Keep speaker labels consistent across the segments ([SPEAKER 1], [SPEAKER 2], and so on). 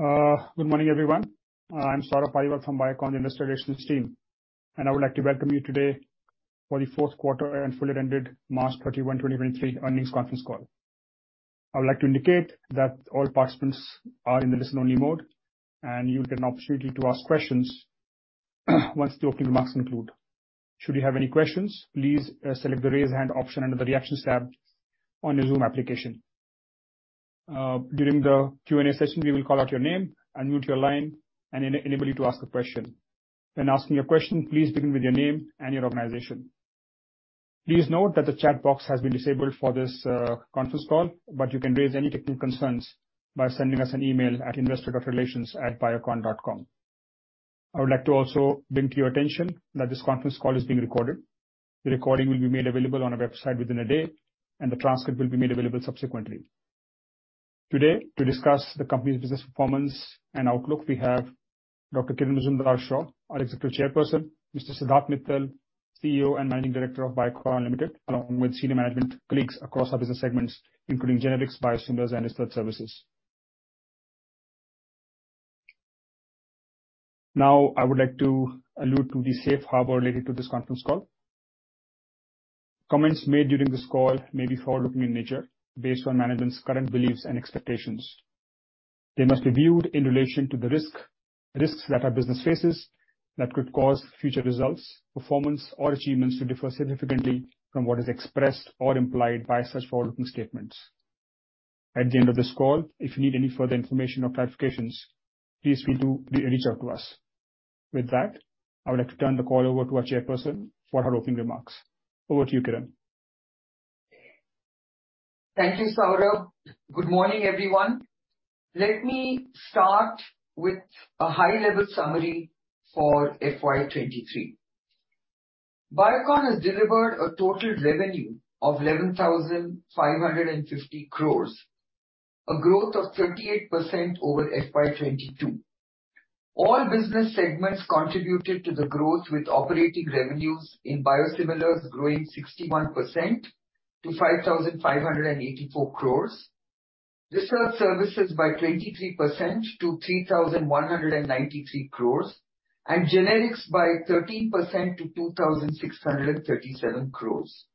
[SPEAKER 1] Good morning, everyone. I'm Saurabh Paliwal from Biocon Investor Relations team, and I would like to welcome you today for the Q4 and Full Year Ended March 31, 2023 Earnings Conference Call. I would like to indicate that all participants are in the listen-only mode, and you'll get an opportunity to ask questions once the opening remarks conclude. Should you have any questions, please select the Raise Hand option under the Reactions tab on your Zoom application. During the Q&A session, we will call out your name, unmute your line, and enable you to ask a question. When asking your question, please begin with your name and your organization. Please note that the chat box has been disabled for this conference call, but you can raise any technical concerns by sending us an email at investor.relations@biocon.com. I would like to also bring to your attention that this conference call is being recorded. The recording will be made available on our website within a day, and the transcript will be made available subsequently. Today, to discuss the company's business performance and outlook, we have Dr. Kiran Mazumdar-Shaw, our Executive Chairperson, Mr. Siddharth Mittal, CEO and Managing Director of Biocon Limited, along with senior management colleagues across our business segments, including Generics, Biosimilars, and Research Services. I would like to allude to the safe harbor related to this conference call. Comments made during this call may be forward-looking in nature, based on management's current beliefs and expectations. They must be viewed in relation to the risks that our business faces that could cause future results, performance, or achievements to differ significantly from what is expressed or implied by such forward-looking statements. At the end of this call, if you need any further information or clarifications, please feel free to reach out to us. With that, I would like to turn the call over to our chairperson for her opening remarks. Over to you, Kiran.
[SPEAKER 2] Thank you, Saurabh. Good morning, everyone. Let me start with a high-level summary for FY 2023. Biocon has delivered a total revenue of 11,550 crores, a growth of 38% over FY 2022. All business segments contributed to the growth, with operating revenues in biosimilars growing 61% to 5,584 crores. Research services by 23% to 3,193 crores. Generics by 13% to 2,637 crores.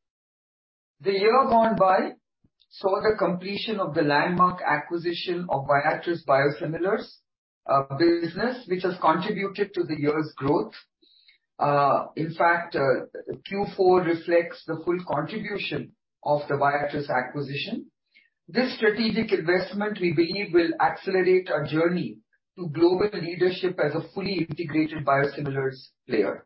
[SPEAKER 2] The year gone by saw the completion of the landmark acquisition of Viatris Biosimilars business, which has contributed to the year's growth. In fact, Q4 reflects the full contribution of the Viatris acquisition. This strategic investment, we believe, will accelerate our journey to global leadership as a fully integrated biosimilars player.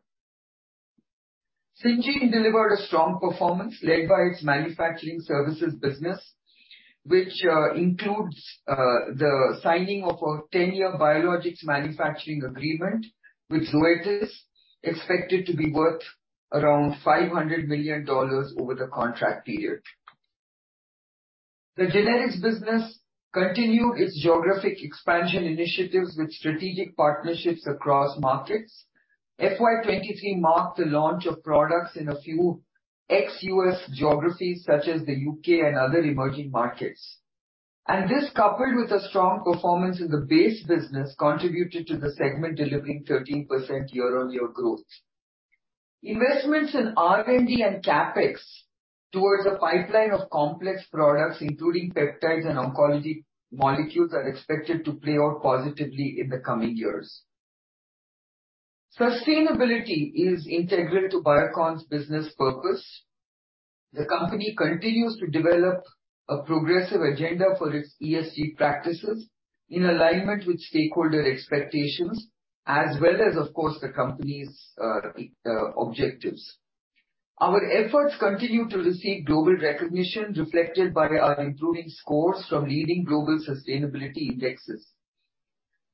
[SPEAKER 2] Syngene delivered a strong performance led by its manufacturing services business, which includes the signing of a 10-year biologics manufacturing agreement with Zoetis, expected to be worth around $500 million over the contract period. The generics business continued its geographic expansion initiatives with strategic partnerships across markets. FY 2023 marked the launch of products in a few ex-U.S. geographies such as the U.K. and other emerging markets. This, coupled with a strong performance in the base business, contributed to the segment delivering 13% year-on-year growth. Investments in R&D and CapEx towards a pipeline of complex products, including peptides and oncology molecules, are expected to play out positively in the coming years. Sustainability is integral to Biocon's business purpose. The company continues to develop a progressive agenda for its ESG practices in alignment with stakeholder expectations, as well as, of course, the company's objectives. Our efforts continue to receive global recognition reflected by our improving scores from leading global sustainability indexes.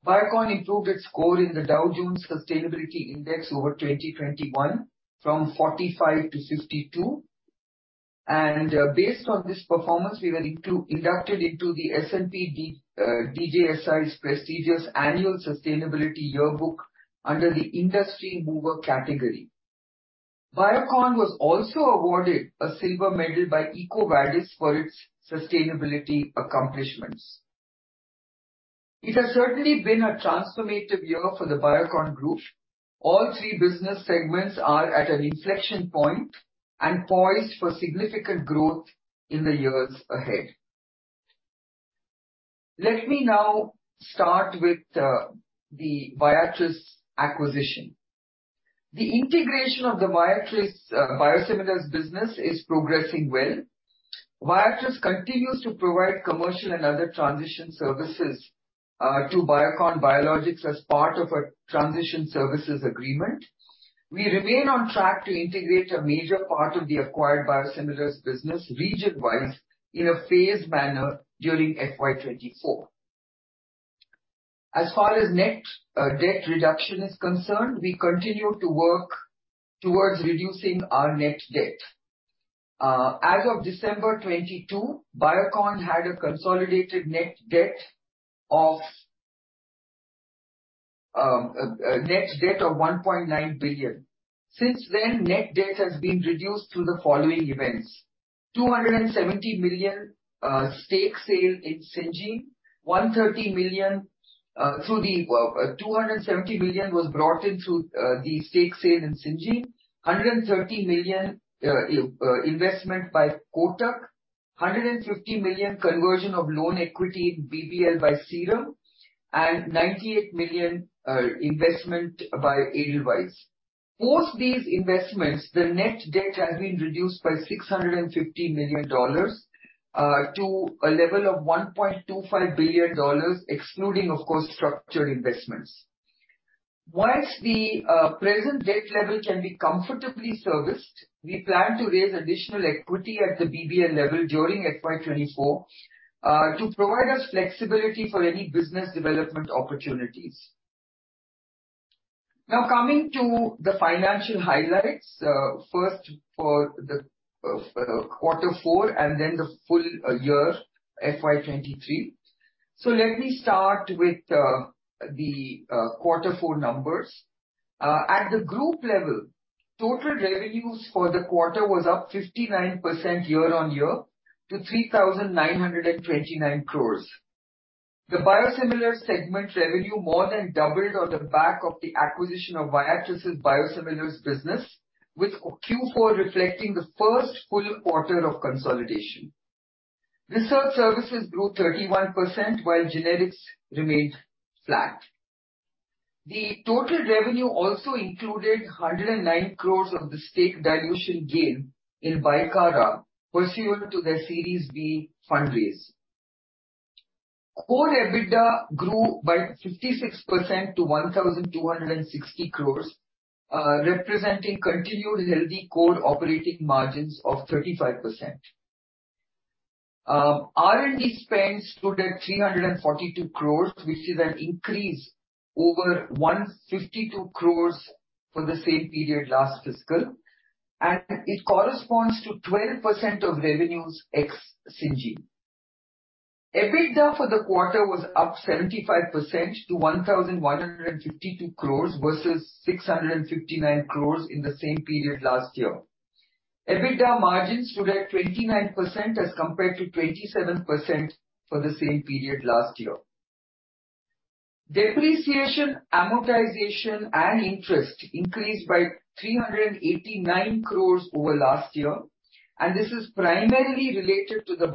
[SPEAKER 2] Biocon improved its score in the Dow Jones Sustainability Index over 2021 from 45 to 62. Based on this performance, we were inducted into the S&P DJSI's prestigious annual sustainability yearbook under the Industry Mover category. Biocon was also awarded a silver medal by EcoVadis for its sustainability accomplishments. It has certainly been a transformative year for the Biocon Group. All three business segments are at an inflection point and poised for significant growth in the years ahead. Let me now start with the Viatris acquisition. The integration of the Viatris biosimilars business is progressing well. Viatris continues to provide commercial and other transition services to Biocon Biologics as part of a transition services agreement. We remain on track to integrate a major part of the acquired biosimilars business region-wise in a phased manner during FY 2024. As far as net debt reduction is concerned, we continue to work towards reducing our net debt. As of December 2022, Biocon had a consolidated net debt of $1.9 billion. Since then, net debt has been reduced through the following events. $270 million was brought in through the stake sale in Syngene. $130 million investment by Kotak. $150 million conversion of loan equity in BBL by Serum, and $98 million investment by Edelweiss. Post these investments, the net debt has been reduced by $650 million to a level of $1.25 billion, excluding, of course, structured investments. Whilst the present debt level can be comfortably serviced, we plan to raise additional equity at the BBL level during FY 2024 to provide us flexibility for any business development opportunities. Coming to the financial highlights. First for the quarter four and then the full year FY 2023. Let me start with the quarter four numbers. At the group level, total revenues for the quarter was up 59% year-on-year to 3,929 crores. The biosimilars segment revenue more than doubled on the back of the acquisition of Viatris' biosimilars business, with Q4 reflecting the first full quarter of consolidation. Research services grew 31%, while generics remained flat. The total revenue also included 109 crores of the stake dilution gain in Bicara pursuant to their Series B fundraise. Core EBITDA grew by 56% to 1,260 crores, representing continued healthy core operating margins of 35%. R&D spends stood at 342 crores, which is an increase over 152 crores for the same period last fiscal, and it corresponds to 12% of revenues ex Syngene. EBITDA for the quarter was up 75% to 1,152 crores versus 659 crores in the same period last year. EBITDA margins stood at 29% as compared to 27% for the same period last year. Depreciation, amortization, and interest increased by 389 crores over last year, and this is primarily related to the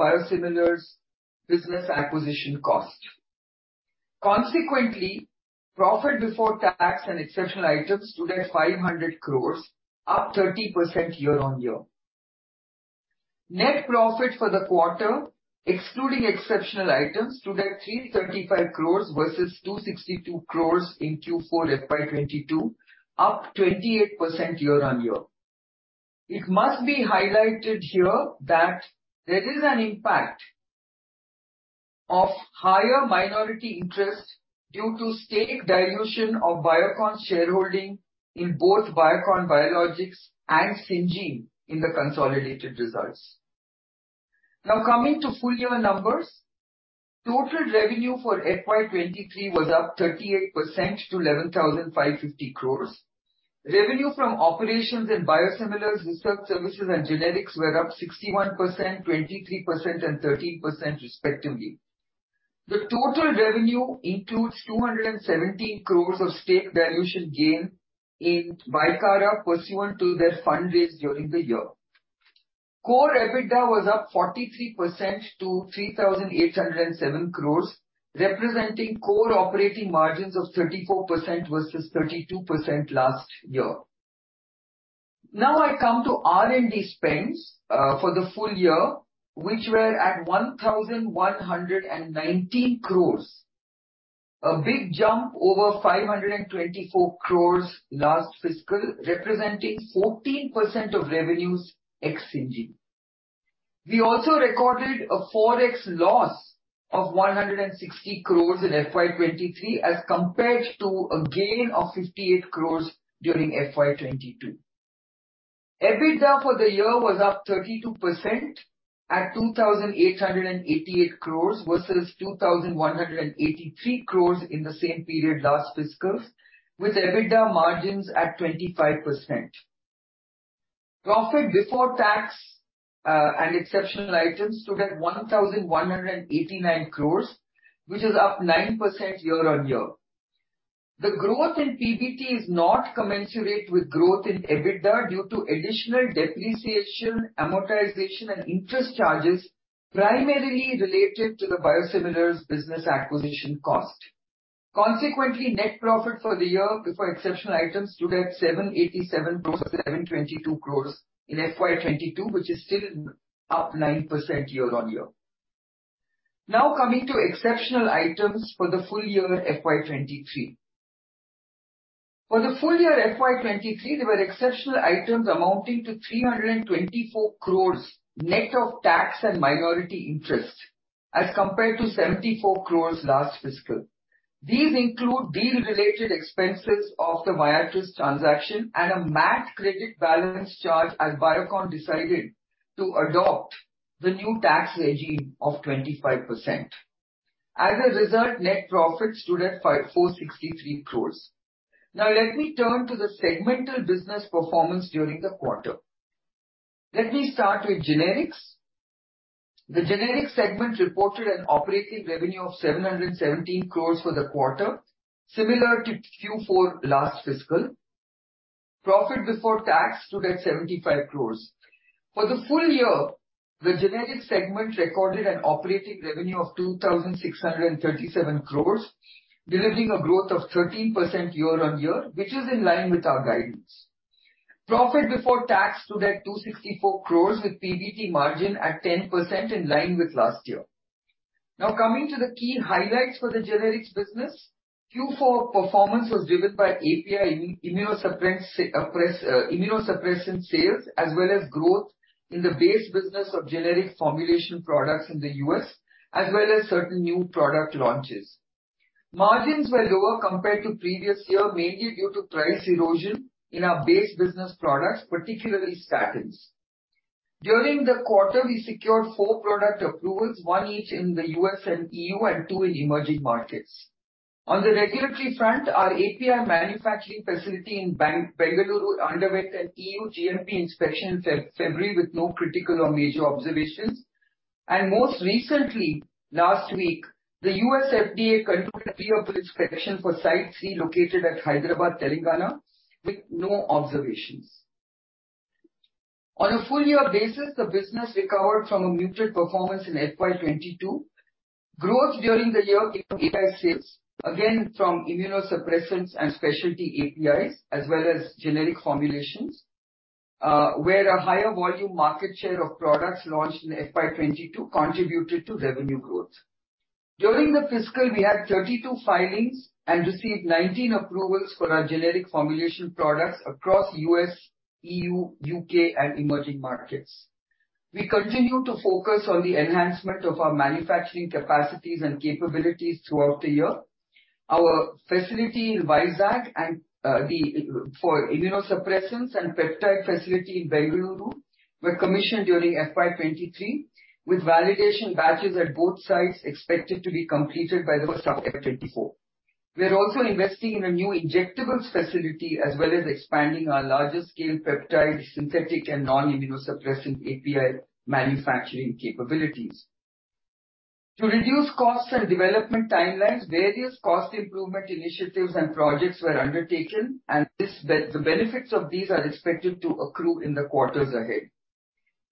[SPEAKER 2] biosimilars business acquisition cost. Consequently, profit before tax and exceptional items stood at 500 crores, up 30% year-on-year. Net profit for the quarter, excluding exceptional items, stood at 335 crores versus 262 crores in Q4 FY 2022, up 28% year-on-year. It must be highlighted here that there is an impact of higher minority interest due to stake dilution of Biocon's shareholding in both Biocon Biologics and Syngene in the consolidated results. Now, coming to full year numbers. Total revenue for FY 2023 was up 38% to 11,550 crores. Revenue from operations in biosimilars, research services, and generics were up 61%, 23%, and 13% respectively. The total revenue includes 217 crores of stake dilution gain in Bicara pursuant to their fundraise during the year. Core EBITDA was up 43% to 3,807 crores, representing core operating margins of 34% versus 32% last year. I come to R&D spends for the full year, which were at 1,119 crores. A big jump over 524 crores last fiscal, representing 14% of revenues ex Syngene. We also recorded a Forex loss of 160 crores in FY 2023, as compared to a gain of 58 crores during FY 2022. EBITDA for the year was up 32% at 2,888 crores versus 2,183 crores in the same period last fiscal, with EBITDA margins at 25%. Profit before tax and exceptional items stood at 1,189 crores, which is up 9% year-on-year. The growth in PBT is not commensurate with growth in EBITDA due to additional depreciation, amortization, and interest charges primarily related to the biosimilars business acquisition cost. Consequently, net profit for the year before exceptional items stood at 787 crores to 722 crores in FY 2022, which is still up 9% year-on-year. Coming to exceptional items for the full year FY 2023. For the full year FY 2023, there were exceptional items amounting to 324 crores net of tax and minority interest, as compared to 74 crores last fiscal. These include deal-related expenses of the Viatris transaction and a MAT credit balance charge as Biocon decided to adopt the new tax regime of 25%. As a result, net profits stood at 463 crores. Let me turn to the segmental business performance during the quarter. Let me start with generics. The generics segment reported an operating revenue of 717 crores for the quarter, similar to Q4 last fiscal. Profit before tax stood at 75 crores. For the full year, the generics segment recorded an operating revenue of 2,637 crores, delivering a growth of 13% year-on-year, which is in line with our guidance. Profit before tax stood at 264 crores with PBT margin at 10% in line with last year. Now coming to the key highlights for the generics business. Q4 performance was driven by API immunosuppression sales, as well as growth in the base business of generic formulation products in the US, as well as certain new product launches. Margins were lower compared to previous year, mainly due to price erosion in our base business products, particularly statins. During the quarter, we secured 4 product approvals, 1 each in the US and EU and 2 in emerging markets. On the regulatory front, our API manufacturing facility in Bengaluru underwent an EU GMP inspection in February with no critical or major observations. Most recently, last week, the US FDA concluded a pre-approval inspection for Site 3 located at Hyderabad, Telangana, with no observations. On a full year basis, the business recovered from a muted performance in FY 2022. Growth during the year came from API sales, again from immunosuppressants and specialty APIs, as well as generic formulations, where a higher volume market share of products launched in FY 2022 contributed to revenue growth. During the fiscal, we had 32 filings and received 19 approvals for our generic formulation products across U.S., EU, U.K., and emerging markets. We continue to focus on the enhancement of our manufacturing capacities and capabilities throughout the year. Our facility in Vizag and for immunosuppressants and peptide facility in Bengaluru were commissioned during FY 2023, with validation batches at both sites expected to be completed by the first half of FY 2024. We are also investing in a new injectables facility as well as expanding our larger scale peptide, synthetic and non-immunosuppressant API manufacturing capabilities. To reduce costs and development timelines, various cost improvement initiatives and projects were undertaken, and the benefits of these are expected to accrue in the quarters ahead.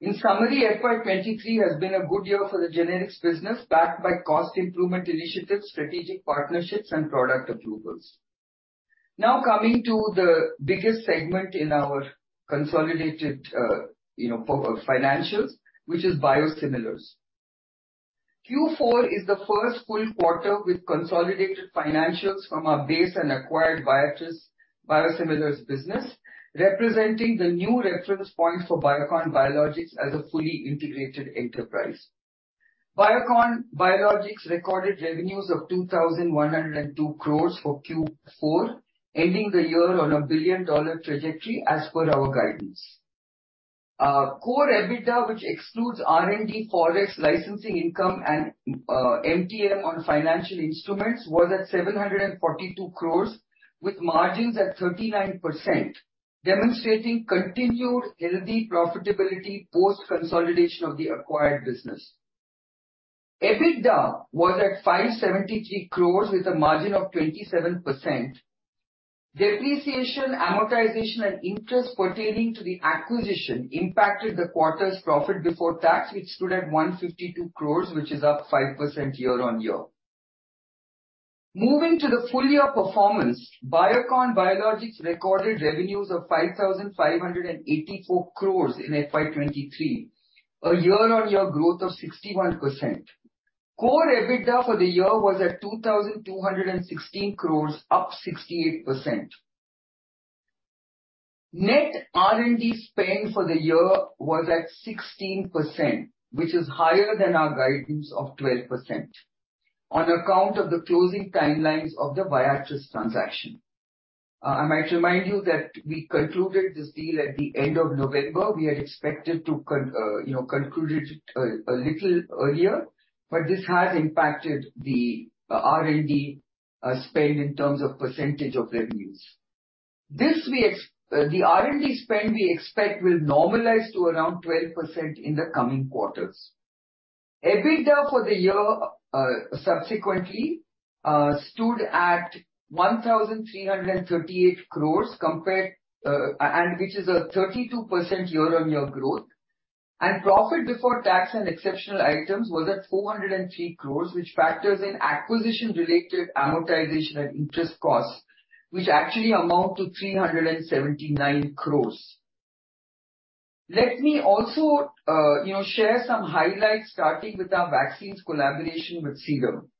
[SPEAKER 2] In summary, FY 2023 has been a good year for the generics business, backed by cost improvement initiatives, strategic partnerships, and product approvals. Now coming to the biggest segment in our consolidated, you know, financials, which is biosimilars. Q4 is the first full quarter with consolidated financials from our base and acquired Viatris biosimilars business, representing the new reference point for Biocon Biologics as a fully integrated enterprise. Biocon Biologics recorded revenues of 2,102 crores for Q4, ending the year on a billion-dollar trajectory as per our guidance. Core EBITDA, which excludes R&D, Forex licensing income and MTM on financial instruments, was at 742 crores with margins at 39%, demonstrating continued healthy profitability post-consolidation of the acquired business. EBITDA was at 573 crores with a margin of 27%. Depreciation, amortization, and interest pertaining to the acquisition impacted the quarter's profit before tax, which stood at 152 crores, which is up 5% year-on-year. Moving to the full year performance, Biocon Biologics recorded revenues of 5,584 crores in FY 2023, a year-on-year growth of 61%. Core EBITDA for the year was at 2,216 crores, up 68%. Net R&D spend for the year was at 16%, which is higher than our guidance of 12%, on account of the closing timelines of the Viatris transaction. I might remind you that we concluded this deal at the end of November. We had expected to, you know, conclude it a little earlier, but this has impacted the R&D spend in terms of percentage of revenues. The R&D spend we expect will normalize to around 12% in the coming quarters. EBITDA for the year, subsequently, stood at 1,338 crores compared, and which is a 32% year-on-year growth. Profit before tax and exceptional items was at 403 crores, which factors in acquisition-related amortization and interest costs, which actually amount to 379 crores. Let me also, you know, share some highlights, starting with our vaccines collaboration with Serum.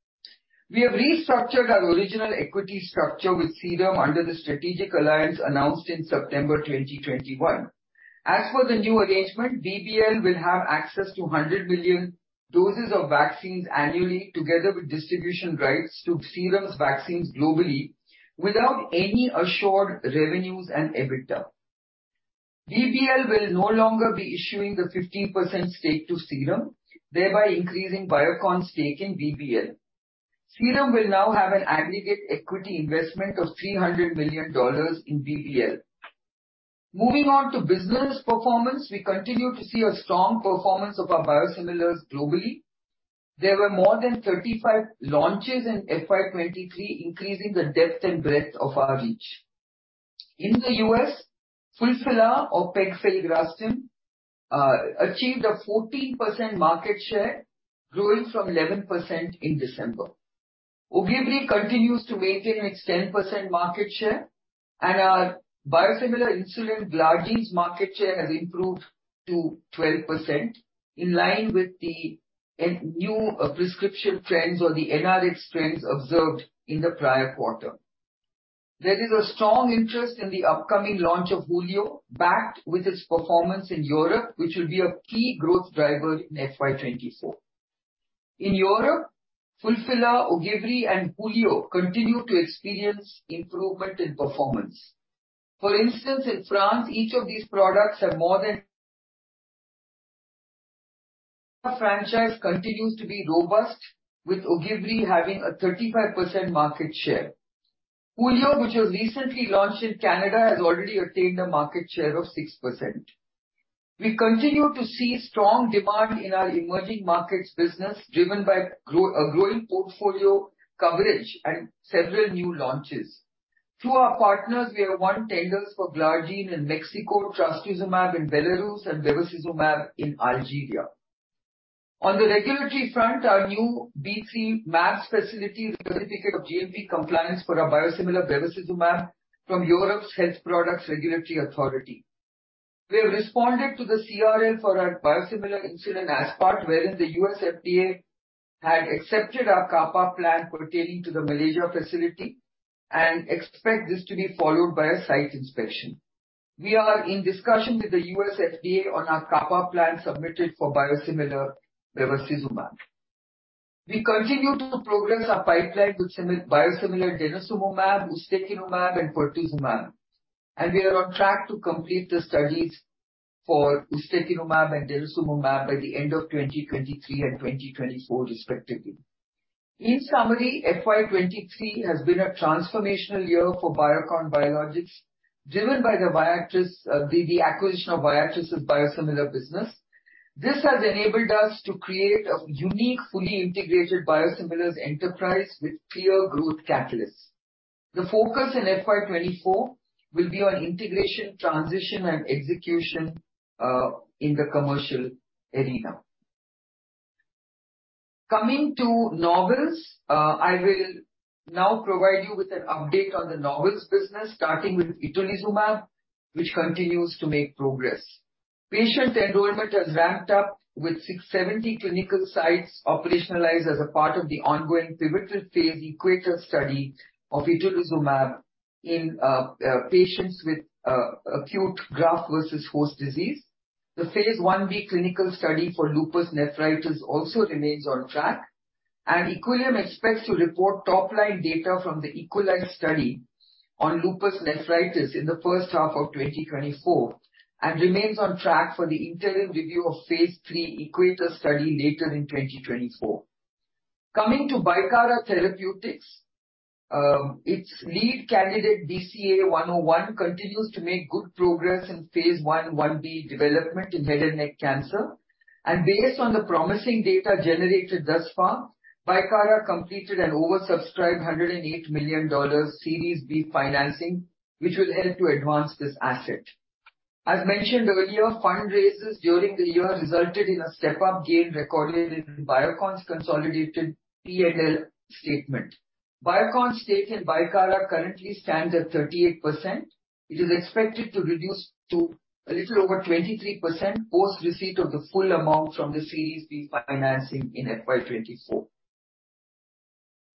[SPEAKER 2] We have restructured our original equity structure with Serum under the strategic alliance announced in September 2021. As per the new arrangement, BBL will have access to 100 million doses of vaccines annually, together with distribution rights to Serum's vaccines globally, without any assured revenues and EBITDA. BBL will no longer be issuing the 15% stake to Serum, thereby increasing Biocon's stake in BBL. Serum will now have an aggregate equity investment of $300 million in BBL. Moving on to business performance, we continue to see a strong performance of our biosimilars globally. There were more than 35 launches in FY 2023, increasing the depth and breadth of our reach. In the U.S., Fulphila or pegfilgrastim achieved a 14% market share, growing from 11% in December. Ogivri continues to maintain its 10% market share, and our biosimilar insulin glargine's market share has improved to 12%, in line with the new prescription trends or the NRX trends observed in the prior quarter. There is a strong interest in the upcoming launch of Hulio, backed with its performance in Europe, which will be a key growth driver in FY 2024. In Europe, Fulphila, Ogivri, and Hulio continue to experience improvement in performance. For instance, in France, each of these products have Our franchise continues to be robust with Ogivri having a 35% market share. Hulio, which was recently launched in Canada, has already attained a market share of 6%. We continue to see strong demand in our emerging markets business, driven by a growing portfolio coverage and several new launches. Through our partners, we have won tenders for glargine in Mexico, Trastuzumab in Belarus and Bevacizumab in Algeria. On the regulatory front, our new BC maps facility certificate of GMP compliance for our biosimilar Bevacizumab from Europe's Health Products Regulatory Authority. We have responded to the CRL for our biosimilar insulin aspart, wherein the US FDA had accepted our CAPA plan pertaining to the Malaysia facility and expect this to be followed by a site inspection. We are in discussion with the US FDA on our CAPA plan submitted for biosimilar Bevacizumab. We continue to progress our pipeline with biosimilar Denosumab, Ustekinumab, and Pertuzumab, and we are on track to complete the studies for Ustekinumab and Denosumab by the end of 2023 and 2024 respectively. In summary, FY 2023 has been a transformational year for Biocon Biologics, driven by Viatris, the acquisition of Viatris' biosimilar business. This has enabled us to create a unique, fully integrated biosimilars enterprise with clear growth catalysts. The focus in FY 2024 will be on integration, transition, and execution in the commercial arena. Coming to novels, I will now provide you with an update on the novels business, starting with itolizumab, which continues to make progress. Patient enrollment has ramped up with 670 clinical sites operationalized as a part of the ongoing pivotal phase EQUATOR study of itolizumab in patients with acute graft versus host disease. The phase 1B clinical study for lupus nephritis also remains on track. Equillium expects to report top-line data from the EQUALISE study on lupus nephritis in the first half of 2024 and remains on track for the interim review of phase 3 EQUATOR study later in 2024. Coming to Bicara Therapeutics, its lead candidate BCA-101 continues to make good progress in phase 1, 1B development in head and neck cancer. Based on the promising data generated thus far, Bicara completed an oversubscribed $108 million Series B financing, which will help to advance this asset. As mentioned earlier, fundraisers during the year resulted in a step-up gain recorded in Biocon's consolidated P&L statement. Biocon's stake in Bicara currently stands at 38%. It is expected to reduce to a little over 23% post receipt of the full amount from the Series B financing in FY 2024.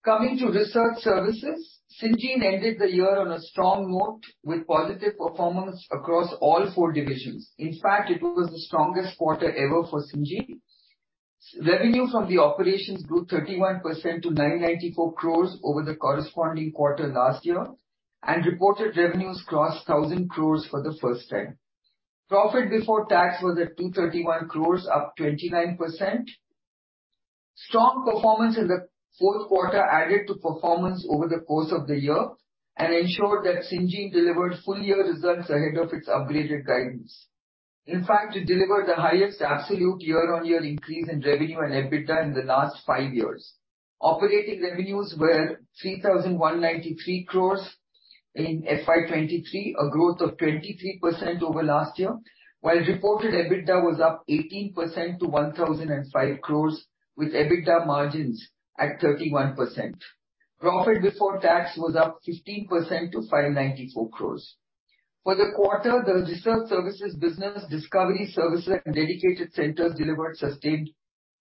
[SPEAKER 2] Coming to research services, Syngene ended the year on a strong note with positive performance across all four divisions. It was the strongest quarter ever for Syngene. Revenue from the operations grew 31% to 994 crores over the corresponding quarter last year, and reported revenues crossed 1,000 crores for the first time. Profit before tax was at 231 crores, up 29%. Strong performance in the Q4 added to performance over the course of the year and ensured that Syngene delivered full year results ahead of its upgraded guidance. It delivered the highest absolute year-on-year increase in revenue and EBITDA in the last 5 years. Operating revenues were 3,193 crores in FY 2023, a growth of 23% over last year, while reported EBITDA was up 18% to 1,005 crores, with EBITDA margins at 31%. Profit before tax was up 15% to 594 crores. For the quarter, the research services business, discovery services, and dedicated centers delivered sustained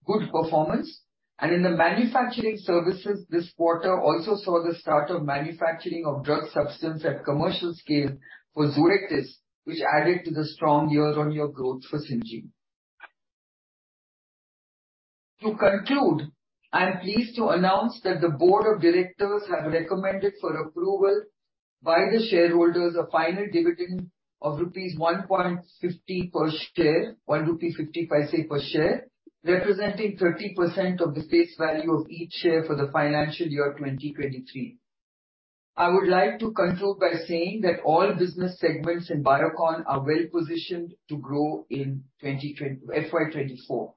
[SPEAKER 2] good performance. In the manufacturing services this quarter also saw the start of manufacturing of drug substance at commercial scale for Zoetis, which added to the strong year-on-year growth for Syngene. To conclude, I am pleased to announce that the board of directors have recommended for approval by the shareholders a final dividend of rupees 1.50 per share, representing 30% of the face value of each share for the financial year 2023. I would like to conclude by saying that all business segments in Biocon are well positioned to grow in FY 2024.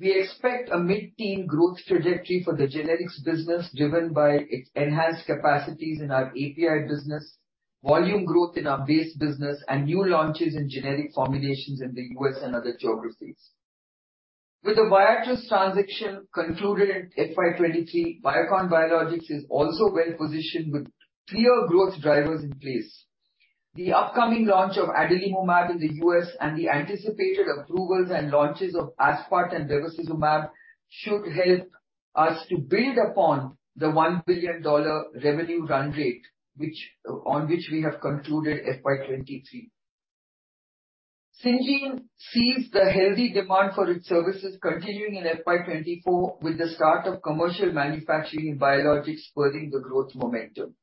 [SPEAKER 2] We expect a mid-teen growth trajectory for the generics business, driven by its enhanced capacities in our API business, volume growth in our base business, and new launches in generic formulations in the U.S. and other geographies. With the Viatris transaction concluded in FY 2023, Biocon Biologics is also well positioned with clear growth drivers in place. The upcoming launch of Adalimumab in the U.S. and the anticipated approvals and launches of Aspart and Rivaroxaban should help us to build upon the $1 billion revenue run rate which, on which we have concluded FY 2023. Syngene sees the healthy demand for its services continuing in FY 2024 with the start of commercial manufacturing in biologics spurring the growth momentum.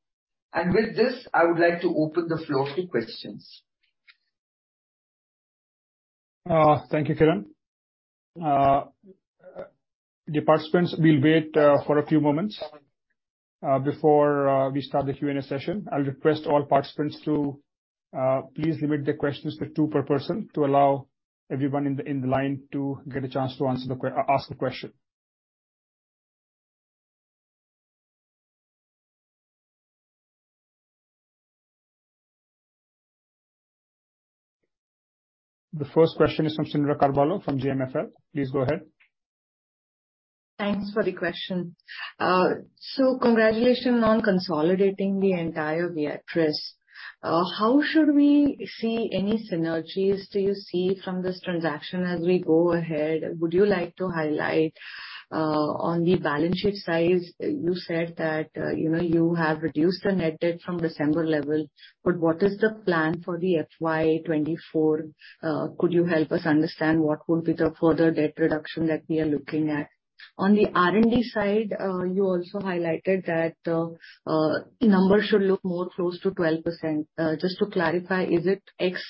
[SPEAKER 2] With this, I would like to open the floor to questions.
[SPEAKER 1] Thank you, Kiran. The participants, we'll wait for a few moments before we start the Q&A session. I'll request all participants to please limit the questions to 2 per person to allow everyone in the line to get a chance to ask the question. The first question is from Cyndrella Carvalho from JM Financial. Please go ahead.
[SPEAKER 3] Thanks for the question. Congratulations on consolidating the entire Viatris. How should we see any synergies do you see from this transaction as we go ahead? Would you like to highlight, on the balance sheet size, you said that, you know, you have reduced the net debt from December level, but what is the plan for the FY 2024? Could you help us understand what would be the further debt reduction that we are looking at? On the R&D side, you also highlighted that, numbers should look more close to 12%. Just to clarify, is it ex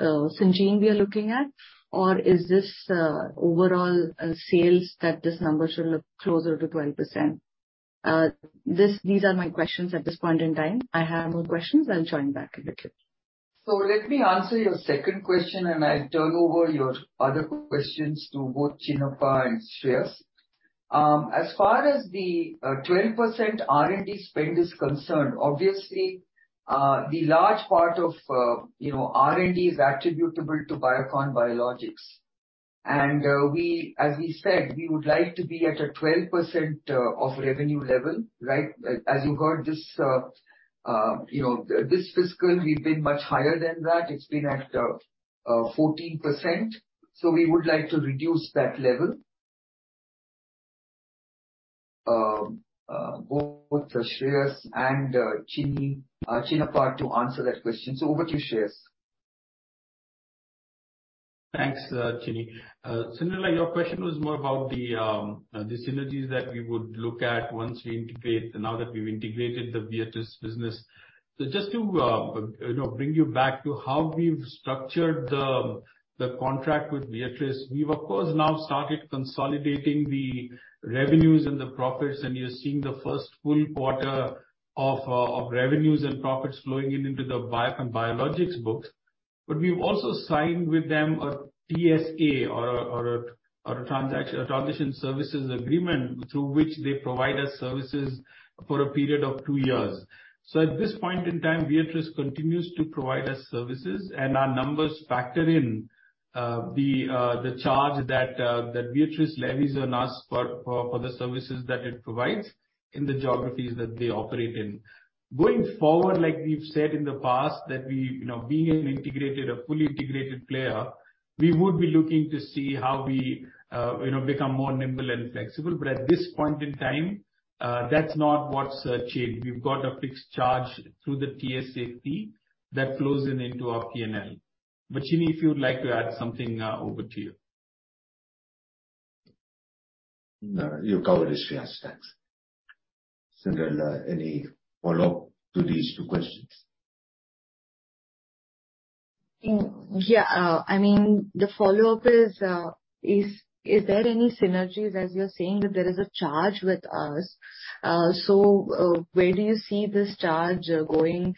[SPEAKER 3] Syngene we are looking at, or is this overall sales that this number should look closer to 12%? These are my questions at this point in time. I have more questions. I'll join back in a bit.
[SPEAKER 2] Let me answer your second question and I turn over your other questions to both Chinnapa and Shreehas. As far as the 12% R&D spend is concerned, obviously, the large part of, you know, R&D is attributable to Biocon Biologics. We, as we said, we would like to be at a 12% of revenue level, right? As you heard this, you know, this fiscal we've been much higher than that. It's been at 14%. We would like to reduce that level. Both Shreehas and Chinni Chinnapa to answer that question. Over to Shreehas.
[SPEAKER 4] Thanks, Chinni. Cyndrella, your question was more about the synergies that we would look at once we integrate, now that we've integrated the Viatris business. Just to, you know, bring you back to how we've structured the contract with Viatris, we've of course now started consolidating the revenues and the profits, and you're seeing the first full quarter of revenues and profits flowing in into the Biocon Biologics books. We've also signed with them a TSA or a transaction, a transition services agreement through which they provide us services for a period of 2 years. At this point in time, Viatris continues to provide us services and our numbers factor in the charge that Viatris levies on us for the services that it provides in the geographies that they operate in. Going forward, like we've said in the past, that we, you know, being an integrated, a fully integrated player, we would be looking to see how we, you know, become more nimble and flexible. At this point in time, that's not what's changed. We've got a fixed charge through the TSAP that flows into our P&L. Chinni, if you'd like to add something, over to you.
[SPEAKER 5] No, you covered it, Shreehas. Thanks. Cyndrella, any follow-up to these two questions?
[SPEAKER 3] Yeah. I mean, the follow-up is there any synergies, as you're saying that there is a charge with us, so, where do you see this charge going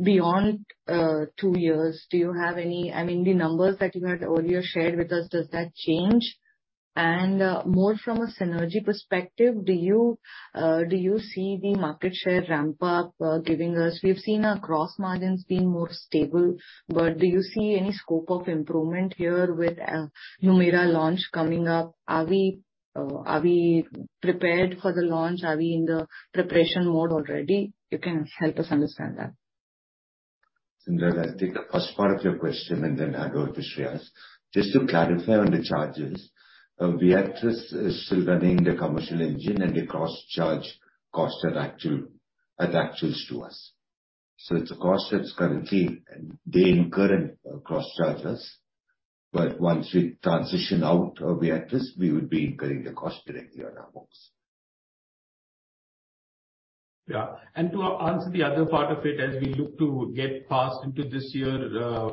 [SPEAKER 3] beyond 2 years? I mean, the numbers that you had earlier shared with us, does that change? More from a synergy perspective, do you see the market share ramp up? We've seen our gross margins being more stable, but do you see any scope of improvement here with Numera launch coming up? Are we prepared for the launch? Are we in the preparation mode already? You can help us understand that.
[SPEAKER 5] Cyndrella, I'll take the first part of your question and then hand over to Shreehas. Just to clarify on the charges, Viatris is still running the commercial engine and they cross-charge costs that actual, as actuals to us. It's a cost that's currently they incur and cross-charge us. Once we transition out of Viatris, we would be incurring the cost directly on our books.
[SPEAKER 4] Yeah. To answer the other part of it, as we look to get past into this year,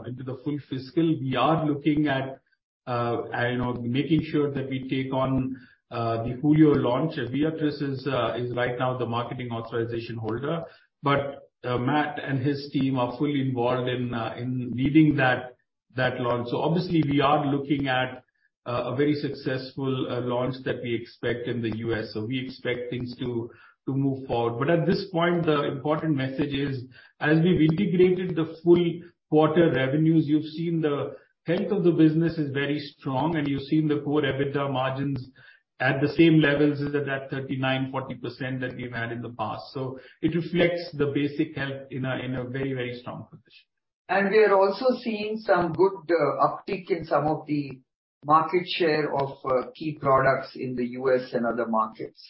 [SPEAKER 4] into the full fiscal, we are looking at, you know, making sure that we take on the Hulio launch. Viatris is right now the marketing authorization holder. Matt and his team are fully involved in leading that launch. Obviously we are looking at a very successful launch that we expect in the US. We expect things to move forward. At this point, the important message is, as we've integrated the full quarter revenues, you've seen the health of the business is very strong and you've seen the Core EBITDA margins at the same levels as at that 39%, 40% that we've had in the past. It reflects the basic health in a very, very strong position.
[SPEAKER 2] We are also seeing some good uptick in some of the market share of key products in the U.S. and other markets.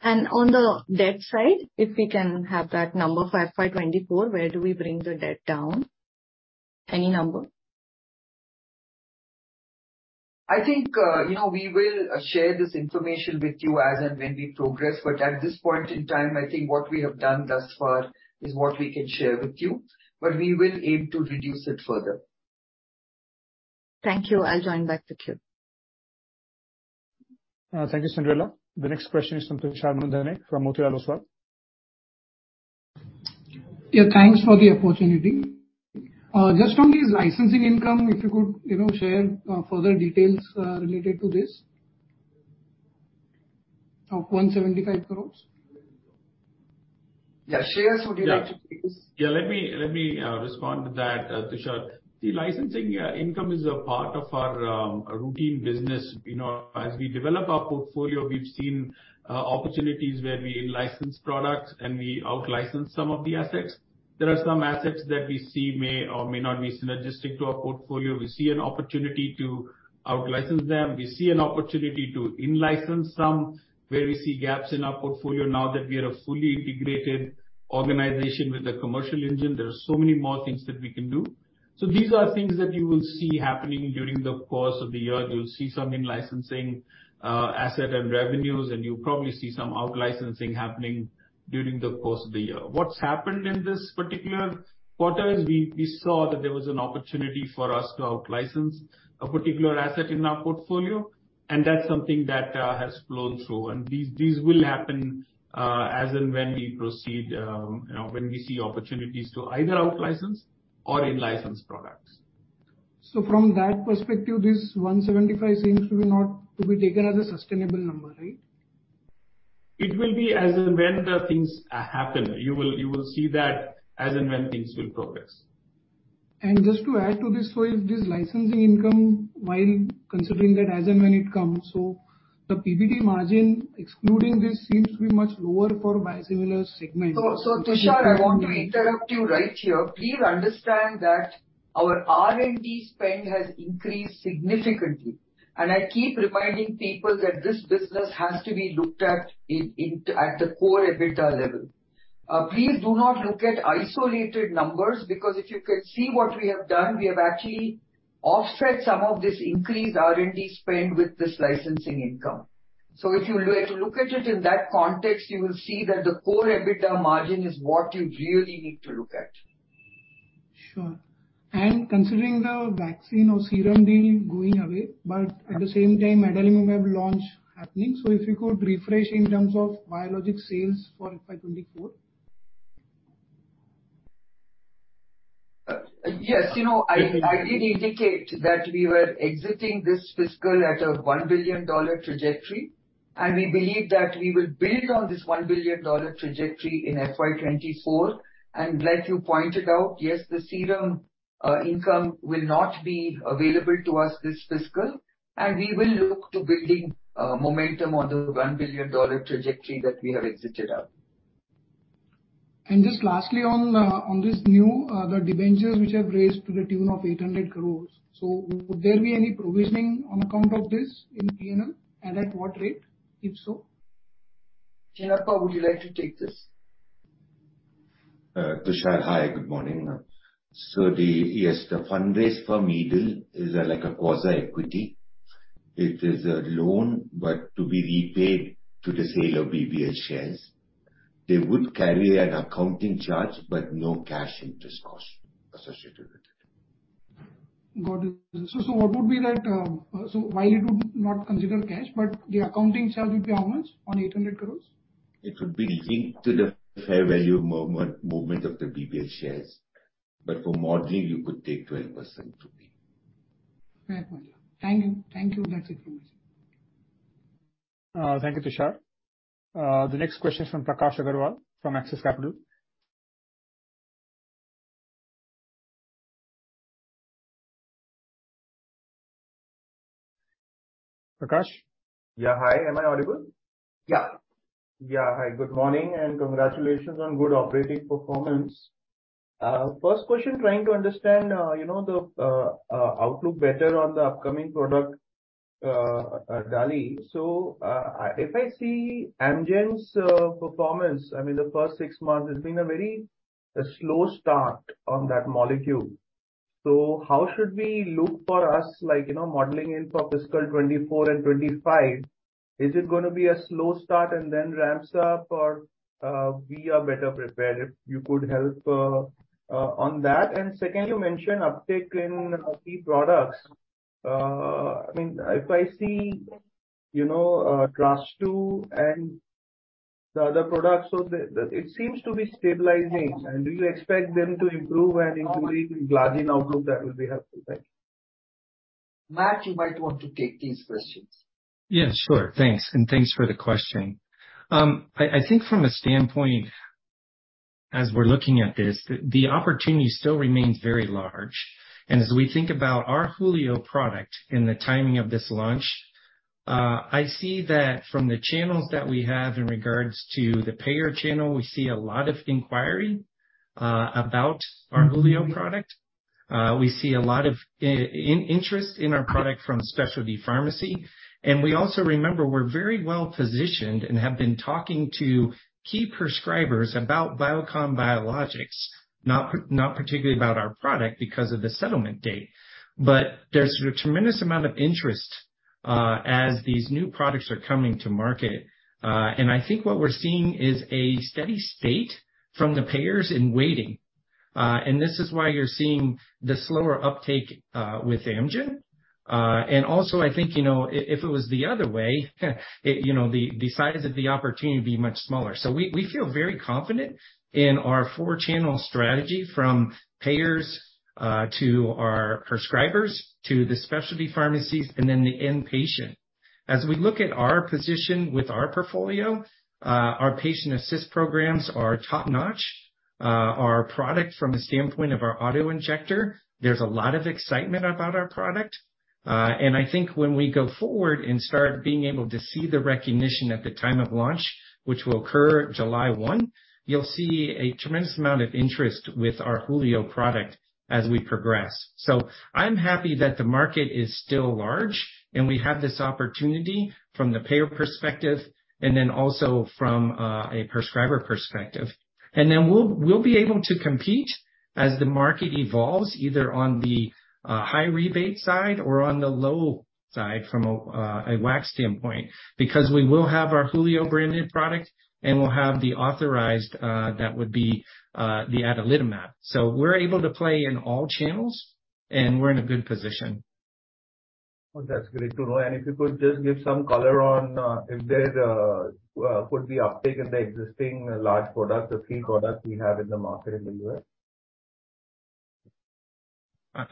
[SPEAKER 3] On the debt side, if we can have that number for FY 2024, where do we bring the debt down? Any number?
[SPEAKER 2] I think, you know, we will share this information with you as and when we progress. At this point in time, I think what we have done thus far is what we can share with you. We will aim to reduce it further.
[SPEAKER 3] Thank you. I'll join back the queue.
[SPEAKER 1] Thank you, Cyndrella. The next question is from Tushar Manudhane from Motilal Oswal.
[SPEAKER 6] Yeah, thanks for the opportunity. Just on this licensing income, if you could, you know, share further details related to this of INR 175 crores?
[SPEAKER 2] Yeah. Shreehas, would you like to take this?
[SPEAKER 4] Yeah. Yeah, let me, let me respond to that, Tushar. The licensing income is a part of our routine business. You know, as we develop our portfolio, we've seen opportunities where we in-license products and we out-license some of the assets. There are some assets that we see may or may not be synergistic to our portfolio. We see an opportunity to out-license them. We see an opportunity to in-license some where we see gaps in our portfolio now that we are a fully integrated organization with a commercial engine, there are so many more things that we can do. These are things that you will see happening during the course of the year. You'll see some in-licensing asset and revenues, and you'll probably see some out-licensing happening during the course of the year. What's happened in this particular quarter is we saw that there was an opportunity for us to out-license a particular asset in our portfolio, and that's something that has flown through. These will happen as and when we proceed, you know, when we see opportunities to either out-license or in-license products.
[SPEAKER 6] From that perspective, this 175 seems to be not to be taken as a sustainable number, right?
[SPEAKER 4] It will be as and when the things happen. You will see that as and when things will progress.
[SPEAKER 6] Just to add to this, if this licensing income, while considering that as and when it comes, the PBT margin excluding this seems to be much lower for biosimilar segment.
[SPEAKER 2] Tushar, I want to interrupt you right here. Please understand that our R&D spend has increased significantly. I keep reminding people that this business has to be looked at in, at the core EBITDA level. Please do not look at isolated numbers because if you can see what we have done, we have actually offset some of this increased R&D spend with this licensing income. If you look at it in that context, you will see that the core EBITDA margin is what you really need to look at.
[SPEAKER 6] Sure. Considering the vaccine or serum deal going away, but at the same time, Adalimumab launch happening. If you could refresh in terms of biologic sales for FY 2024.
[SPEAKER 2] Yes. You know, I did indicate that we were exiting this fiscal at a $1 billion trajectory. We believe that we will build on this $1 billion trajectory in FY 2024. Like you pointed out, yes, the Serum income will not be available to us this fiscal. We will look to building momentum on the $1 billion trajectory that we have exited at.
[SPEAKER 6] Just lastly on this new, the debentures which have raised to the tune of 800 crores. Would there be any provisioning on account of this in P&L and at what rate, if so?
[SPEAKER 2] Chinappa, would you like to take this?
[SPEAKER 5] Tushar, hi, good morning. Yes, the fundraise from Edel is like a quasi-equity. It is a loan, but to be repaid to the sale of BBL shares. They would carry an accounting charge, but no cash interest cost associated with it.
[SPEAKER 6] Got it. What would be that, so while it would not consider cash, but the accounting charge would be how much on 800 crores?
[SPEAKER 5] It would be linked to the fair value movement of the BBL shares, but for modeling, you could take 12% would be.
[SPEAKER 6] Fair point. Thank you. Thank you. That's it from me.
[SPEAKER 1] Thank you, Tushar. The next question is from Prakash Agarwal from Axis Capital. Akash.
[SPEAKER 7] Yeah. Hi, am I audible?
[SPEAKER 1] Yeah.
[SPEAKER 7] Yeah. Hi, good morning. Congratulations on good operating performance. First question, trying to understand, you know, the outlook better on the upcoming product, Dali. If I see Amgen's performance, I mean, the first 6 months, it's been a very slow start on that molecule. How should we look for us, like, you know, modeling in for fiscal 2024 and 2025, is it gonna be a slow start and then ramps up or we are better prepared? If you could help on that. Second, you mentioned uptick in key products. I mean, if I see, you know, Traztu and the other products, so it seems to be stabilizing. Do you expect them to improve and include Glargine outlook, that would be helpful. Thank you.
[SPEAKER 2] Matt, you might want to take these questions.
[SPEAKER 8] Yeah, sure. Thanks. Thanks for the question. I think from a standpoint, as we're looking at this, the opportunity still remains very large. As we think about our Hulio product and the timing of this launch, I see that from the channels that we have in regards to the payer channel, we see a lot of inquiry about our Hulio product. We see a lot of interest in our product from specialty pharmacy, and we also remember we're very well-positioned and have been talking to key prescribers about Biocon Biologics, not particularly about our product because of the settlement date. There's a tremendous amount of interest as these new products are coming to market. I think what we're seeing is a steady state from the payers in waiting. This is why you're seeing the slower uptake with Amgen. Also I think, you know, if it was the other way, it, you know, the size of the opportunity would be much smaller. We feel very confident in our 4-channel strategy from payers to our prescribers to the specialty pharmacies and then the end patient. As we look at our position with our portfolio, our patient assist programs are top-notch. Our product from a standpoint of our auto-injector, there's a lot of excitement about our product. And I think when we go forward and start being able to see the recognition at the time of launch, which will occur July 1, you'll see a tremendous amount of interest with our Hulio product as we progress. I'm happy that the market is still large, and we have this opportunity from the payer perspective and also from a prescriber perspective. We'll be able to compete as the market evolves, either on the high rebate side or on the low side from a WAC standpoint, because we will have our Hulio branded product, and we'll have the authorized that would be the adalimumab. We're able to play in all channels, and we're in a good position.
[SPEAKER 7] Well, that's great to know. If you could just give some color on, if there's a, could be uptick in the existing large products, the 3 products we have in the market in the U.S.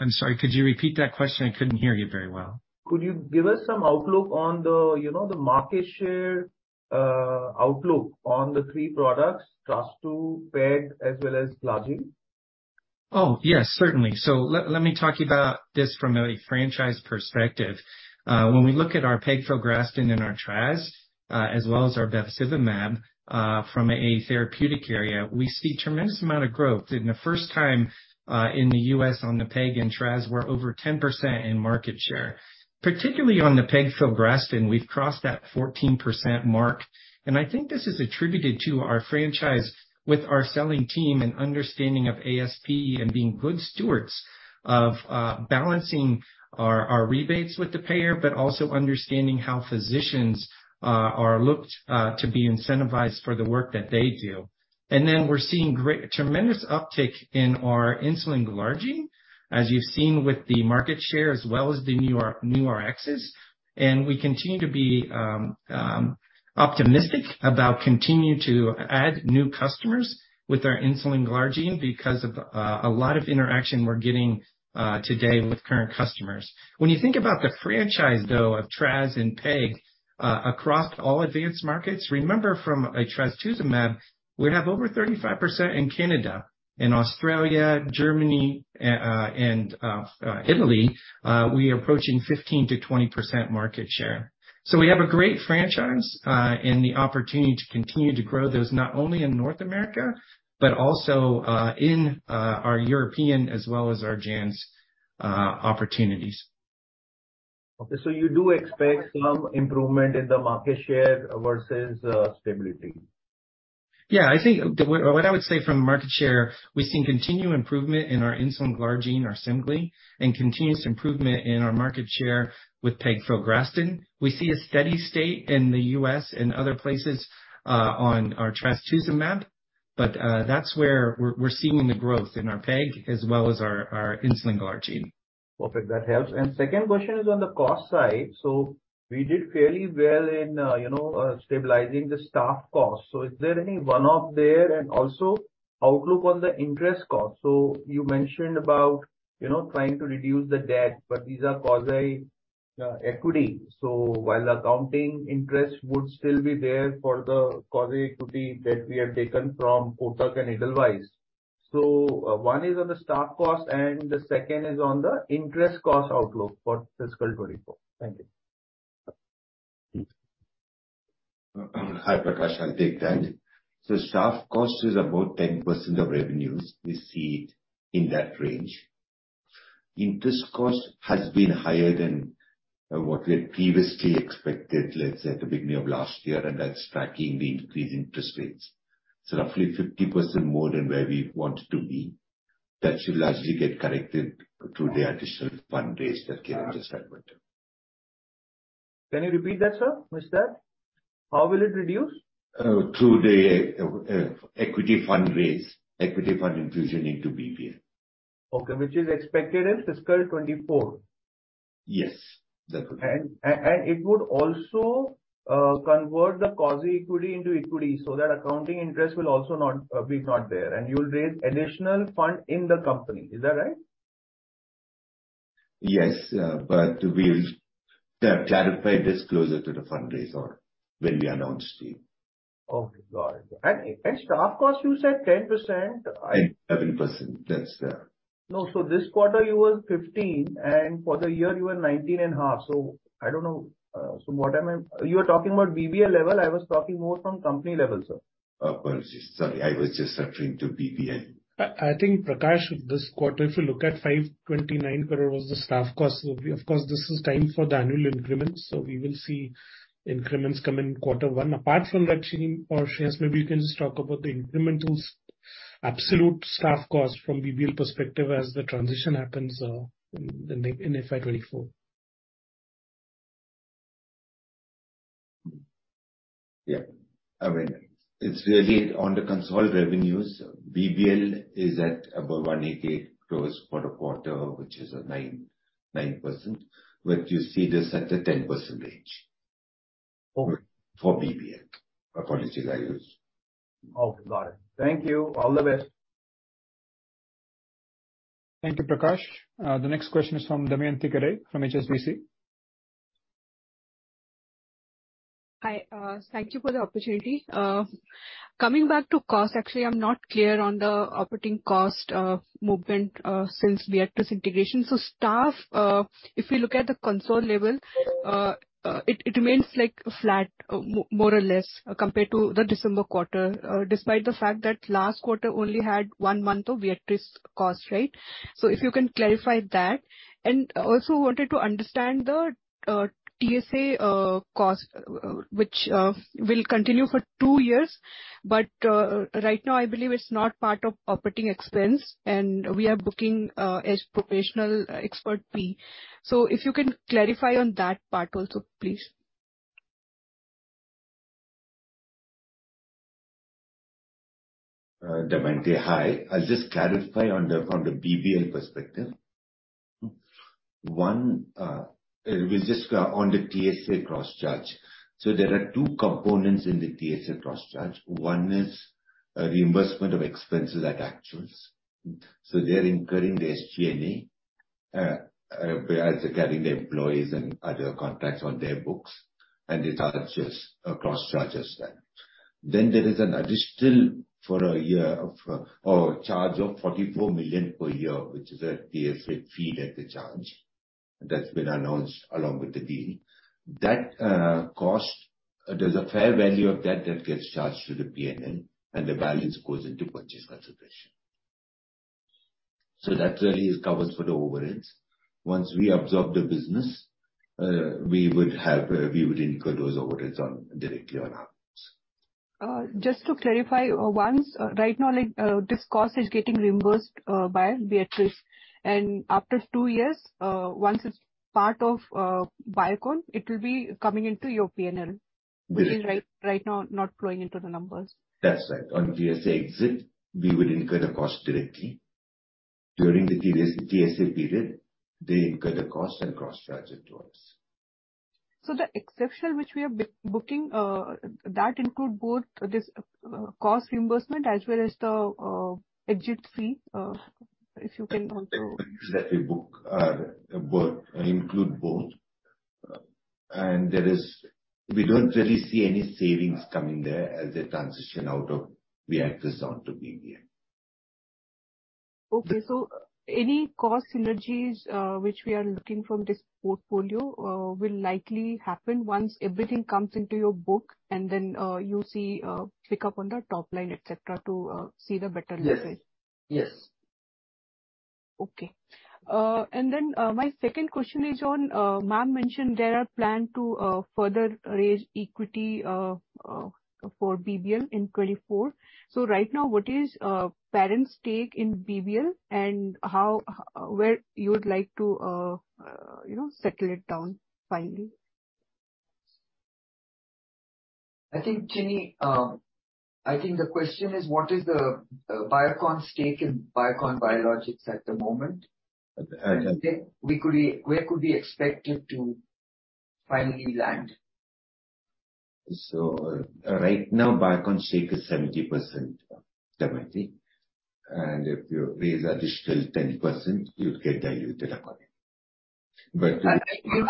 [SPEAKER 8] I'm sorry. Could you repeat that question? I couldn't hear you very well.
[SPEAKER 7] Could you give us some outlook on the, you know, the market share, outlook on the three products, Trastuzumab, PEG, as well as Glargine?
[SPEAKER 8] Yes, certainly. Let me talk about this from a franchise perspective. When we look at our pegfilgrastim and our Traz, as well as our bevacizumab, from a therapeutic area, we see tremendous amount of growth. In the first time, in the U.S. on the PEG and Traz, we're over 10% in market share. Particularly on the pegfilgrastim, we've crossed that 14% mark, and I think this is attributed to our franchise with our selling team and understanding of ASP and being good stewards of balancing our rebates with the payer, but also understanding how physicians are looked to be incentivized for the work that they do. We're seeing great tremendous uptick in our insulin glargine, as you've seen with the market share, as well as the new RXs. We continue to be optimistic about continuing to add new customers with our insulin glargine because of a lot of interaction we're getting today with current customers. When you think about the franchise, though, of Traz and PEG across all advanced markets, remember from a trastuzumab, we have over 35% in Canada. In Australia, Germany, and Italy, we are approaching 15%-20% market share. We have a great franchise and the opportunity to continue to grow those, not only in North America, but also in our European as well as our Japan's opportunities.
[SPEAKER 7] Okay, you do expect some improvement in the market share versus stability?
[SPEAKER 8] Yeah. I think what I would say from a market share, we've seen continued improvement in our insulin glargine or Semglee, and continuous improvement in our market share with pegfilgrastim. We see a steady state in the US and other places on our Trastuzumab, but that's where we're seeing the growth in our PEG as well as our insulin glargine.
[SPEAKER 7] Perfect. That helps. Second question is on the cost side. We did fairly well in, you know, stabilizing the staff cost. Is there any one-off there? Also outlook on the interest cost. You mentioned about, you know, trying to reduce the debt, but these are quasi equity. While accounting interest would still be there for the quasi equity that we have taken from Kotak and Edelweiss. One is on the staff cost and the second is on the interest cost outlook for fiscal 2024. Thank you.
[SPEAKER 5] Hi, Prakash. I'll take that. Staff cost is about 10% of revenues. We see it in that range. Interest cost has been higher than what we had previously expected, let's say, at the beginning of last year, and that's tracking the increased interest rates. It's roughly 50% more than where we want it to be. That should largely get corrected through the additional fundraise that came this... Financial year.
[SPEAKER 7] Can you repeat that, sir? What's that? How will it reduce?
[SPEAKER 5] Through the equity fundraise. Equity fund infusion into BBL.
[SPEAKER 7] Okay, which is expected in fiscal 2024.
[SPEAKER 5] Yes. That's correct.
[SPEAKER 7] It would also convert the quasi-equity into equity, so that accounting interest will also not be not there, and you will raise additional fund in the company. Is that right?
[SPEAKER 5] Yes. We'll clarify this closer to the fundraise or when we announce to you.
[SPEAKER 7] Okay, got it. Staff cost, you said 10%.
[SPEAKER 5] 11%. That's.
[SPEAKER 7] No. This quarter you were 15, and for the year you were 19.5, so I don't know. You are talking about BBL level, I was talking more from company level, sir.
[SPEAKER 5] Sorry, I was just referring to BBL.
[SPEAKER 9] I think, Prakash, this quarter, if you look at 529 crore was the staff cost. Of course, this is time for the annual increments, so we will see increments come in quarter one. Apart from that, Chinni or Shez, maybe you can just talk about the incremental absolute staff cost from BBL perspective as the transition happens in FY24.
[SPEAKER 5] Yeah. I mean, it's really on the consolidated revenues. BBL is at above 1 AK gross quarter-to-quarter, which is a 9%, but you see this at the 10%.
[SPEAKER 7] Okay.
[SPEAKER 5] For BBL, according to the values.
[SPEAKER 7] Okay, got it. Thank you. All the best.
[SPEAKER 1] Thank you, Prakash. The next question is from Damayanti Kerai from HSBC.
[SPEAKER 10] Hi. Thank you for the opportunity. Coming back to cost, actually, I'm not clear on the operating cost movement since the Viatris integration. Staff, if you look at the console level, it remains like flat more or less compared to the December quarter, despite the fact that last quarter only had one month of Viatris cost, right? If you can clarify that. Also wanted to understand the TSA cost which will continue for two years. Right now, I believe it's not part of operating expense and we are booking as professional expert fee. If you can clarify on that part also, please.
[SPEAKER 5] Damayanti, hi. I'll just clarify on the, from the BBL perspective. One, we just, on the TSA cross-charge. There are two components in the TSA cross-charge. One is a reimbursement of expenses at actuals. They're incurring the SG&A, as carrying the employees and other contracts on their books, and it arches across charges then. There is an additional for a year of, or charge of $44 million per year, which is a TSA fee that they charge. That's been announced along with the deal. That cost, there's a fair value of that that gets charged to the P&L and the value goes into purchase consideration. That really covers for the overheads. Once we absorb the business, we would have, we would incur those overheads on, directly on our books.
[SPEAKER 10] Just to clarify, once right now, this cost is getting reimbursed by Viatris. After 2 years, once it's part of Biocon, it will be coming into your PNL.
[SPEAKER 5] The-
[SPEAKER 10] Which is right now not flowing into the numbers.
[SPEAKER 5] That's right. On TSA exit, we would incur the cost directly. During the TSA period, they incur the cost and cross-charge it to us.
[SPEAKER 10] The exception which we are booking, that include both this, cost reimbursement as well as the, exit fee, if you can also.
[SPEAKER 5] Exactly. Book, both, include both. We don't really see any savings coming there as they transition out of Viatris onto BBL.
[SPEAKER 10] Okay. Any cost synergies, which we are looking from this portfolio, will likely happen once everything comes into your book and then, you see, pick up on the top line, et cetera, to see the better leverage.
[SPEAKER 5] Yes. Yes.
[SPEAKER 10] Okay. My second question is on, ma'am mentioned there are plan to further raise equity for BBL in 2024. Right now, what is parent stake in BBL and how, where you would like to, you know, settle it down finally?
[SPEAKER 7] I think, Chinni, I think the question is what is the Biocon's stake in Biocon Biologics at the moment.
[SPEAKER 5] Uh, uh-
[SPEAKER 9] Where could we expect it to finally land?
[SPEAKER 5] Right now, Biocon's stake is 70%, Damayanti. If you raise additional 10%, you'll get diluted accordingly.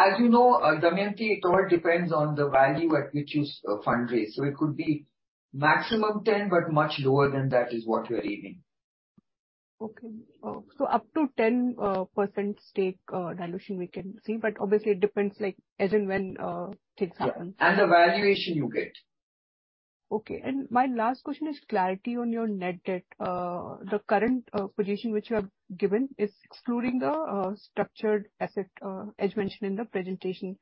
[SPEAKER 9] As you know, Damayanti, it all depends on the value at which you fundraise. It could be maximum 10, but much lower than that is what we are aiming.
[SPEAKER 10] Okay. Up to 10% stake dilution we can see, but obviously it depends, like as in when things happen.
[SPEAKER 9] Yeah. The valuation you get.
[SPEAKER 10] Okay. My last question is clarity on your net debt. The current position which you have given is excluding the structured asset as mentioned in the presentation.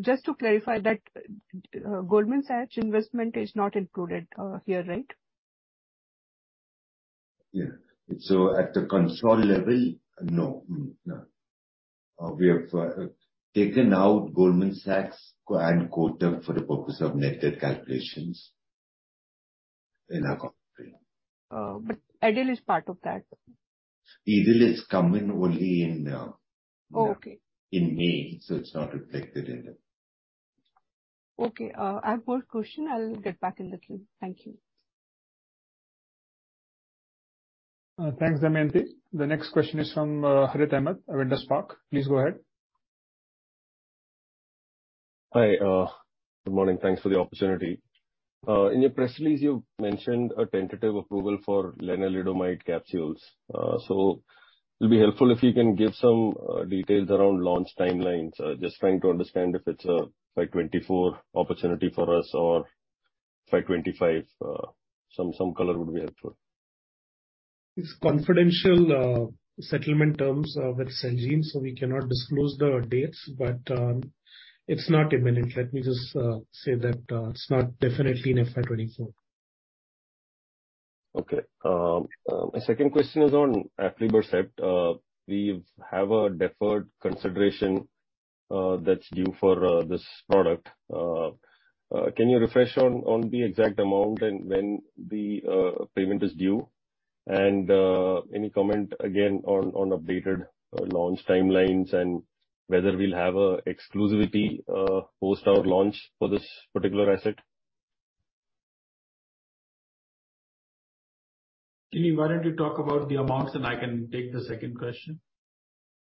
[SPEAKER 10] Just to clarify that Goldman Sachs investment is not included here, right?
[SPEAKER 5] Yeah. At the control level, no. No. We have taken out Goldman Sachs and Kotak for the purpose of net debt calculations in our company.
[SPEAKER 10] Edelweiss is part of that.
[SPEAKER 5] Edel is coming only in.
[SPEAKER 10] Oh, okay.
[SPEAKER 5] In May, it's not reflected in that.
[SPEAKER 10] Okay. I have 1 question. I'll get back in the queue. Thank you.
[SPEAKER 1] Thanks, Damayanti. The next question is from, Harith Ahamed, Spark Capital. Please go ahead.
[SPEAKER 11] Hi, good morning. Thanks for the opportunity. In your press release, you mentioned a tentative approval for lenalidomide capsules. It'll be helpful if you can give some details around launch timelines. Just trying to understand if it's a FY 2024 opportunity for us or FY 2025. Some color would be helpful.
[SPEAKER 9] It's confidential, settlement terms with Celgene. We cannot disclose the dates. It's not imminent. Let me just say that it's not definitely in FY 2024.
[SPEAKER 11] Okay. My second question is on aflibercept. We've have a deferred consideration that's due for this product. Can you refresh on the exact amount and when the payment is due? Any comment again on updated launch timelines and whether we'll have exclusivity post our launch for this particular asset?
[SPEAKER 9] Jimmy, why don't you talk about the amounts and I can take the second question.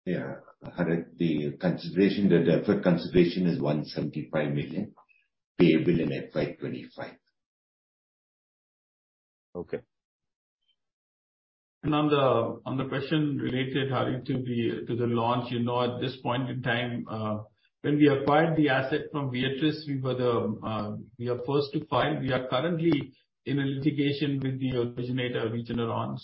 [SPEAKER 5] Yeah. Harith, the consideration, the deferred consideration is $175 million, payable in FY 2025.
[SPEAKER 11] Okay.
[SPEAKER 9] On the question related, Harith, to the launch, you know, at this point in time, when we acquired the asset from Viatris, we are first to file. We are currently in a litigation with the originator, Regeneron.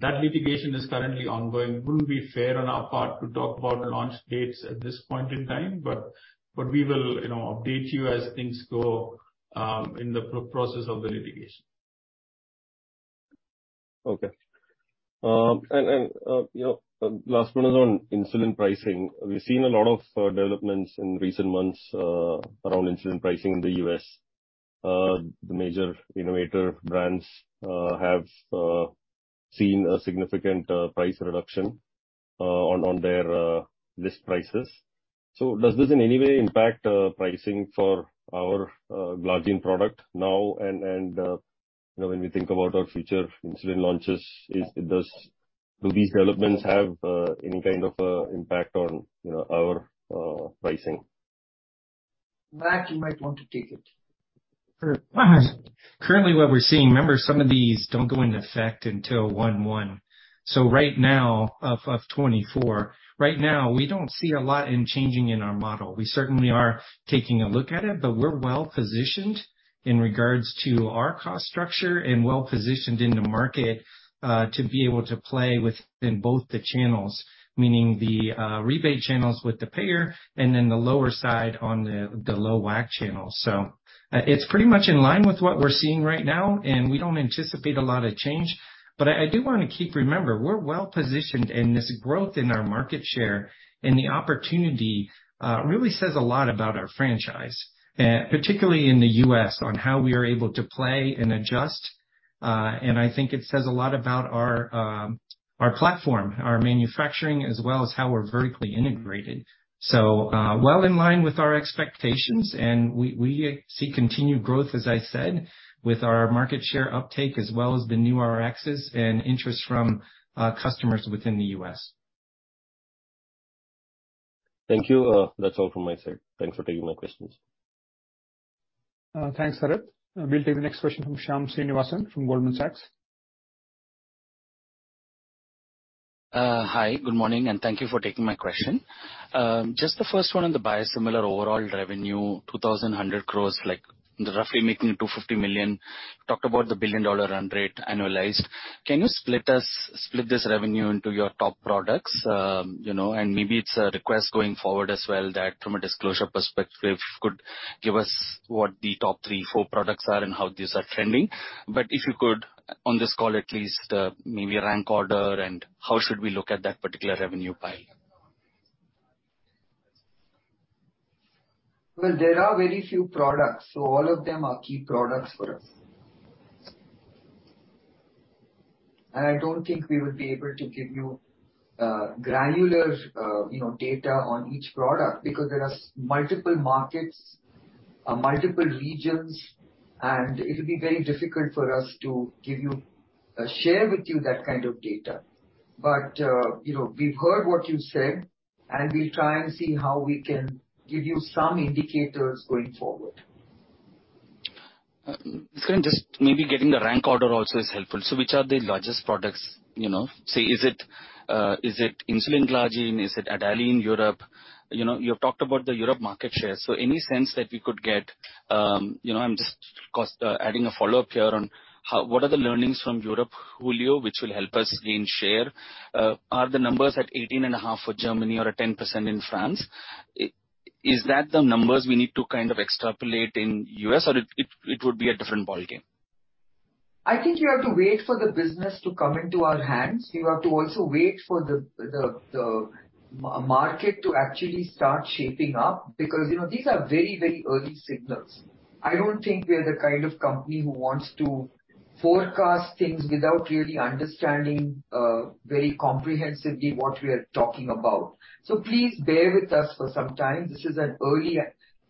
[SPEAKER 9] That litigation is currently ongoing. It wouldn't be fair on our part to talk about launch dates at this point in time, but we will, you know, update you as things go in the process of the litigation.
[SPEAKER 11] Okay. You know, last one is on insulin pricing. We've seen a lot of developments in recent months around insulin pricing in the U.S. The major innovator brands have seen a significant price reduction on their list prices. Does this in any way impact pricing for our glargine product now and, you know, when we think about our future insulin launches, do these developments have any kind of impact on, you know, our pricing?
[SPEAKER 2] Matt, you might want to take it.
[SPEAKER 8] Sure. Currently what we're seeing, remember, some of these don't go into effect until 1/1. Right now, of 2024, right now, we don't see a lot in changing in our model. We certainly are taking a look at it, we're well-positioned in regards to our cost structure and well-positioned in the market to be able to play within both the channels, meaning the rebate channels with the payer and then the lower side on the low WAC channel. It's pretty much in line with what we're seeing right now, and we don't anticipate a lot of change. Remember, we're well-positioned, and this growth in our market share and the opportunity really says a lot about our franchise, particularly in the U.S., on how we are able to play and adjust. I think it says a lot about our platform, our manufacturing, as well as how we're vertically integrated. Well in line with our expectations, and we see continued growth, as I said, with our market share uptake as well as the new Rx's and interest from customers within the U.S.
[SPEAKER 11] Thank you. That's all from my side. Thanks for taking my questions.
[SPEAKER 1] Thanks, Harith. We'll take the next question from Shyam Srinivasan from Goldman Sachs.
[SPEAKER 12] Hi, good morning, and thank you for taking my question. Just the first one on the biosimilar overall revenue, 2,100 crores, like roughly making $250 million. Talked about the billion-dollar run rate annualized. Can you split this revenue into your top products? You know, maybe it's a request going forward as well that from a disclosure perspective could give us what the top three, four products are and how these are trending. If you could on this call at least, maybe rank order and how should we look at that particular revenue pile?
[SPEAKER 2] Well, there are very few products, so all of them are key products for us. I don't think we would be able to give you, granular, you know, data on each product because there are multiple markets. Multiple regions, it will be very difficult for us to give you, share with you that kind of data. You know, we've heard what you said, and we'll try and see how we can give you some indicators going forward.
[SPEAKER 12] Just maybe getting the rank order also is helpful. Which are the largest products, you know? Say, is it insulin glargine? Is it Adalimumab in Europe? You know, you have talked about the Europe market share, any sense that we could get? You know, I'm just adding a follow-up here on how. What are the learnings from Europe, Hulio, which will help us gain share? Are the numbers at 18.5% for Germany or at 10% in France? Is that the numbers we need to kind of extrapolate in the U.S., or it would be a different ballgame?
[SPEAKER 2] I think you have to wait for the business to come into our hands. You have to also wait for the market to actually start shaping up, because, you know, these are very, very early signals. I don't think we are the kind of company who wants to forecast things without really understanding very comprehensively what we are talking about. Please bear with us for some time. This is an early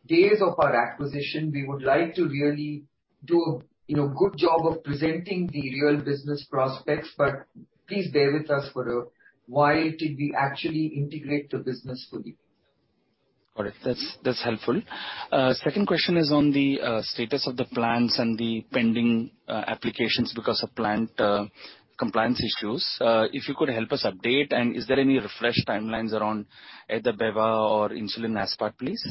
[SPEAKER 2] days of our acquisition. We would like to really do, you know, good job of presenting the real business prospects, but please bear with us for a while till we actually integrate the business fully.
[SPEAKER 12] All right. That's helpful. Second question is on the status of the plans and the pending applications because of plant compliance issues. Is there any refreshed timelines around either Beva or insulin aspart, please?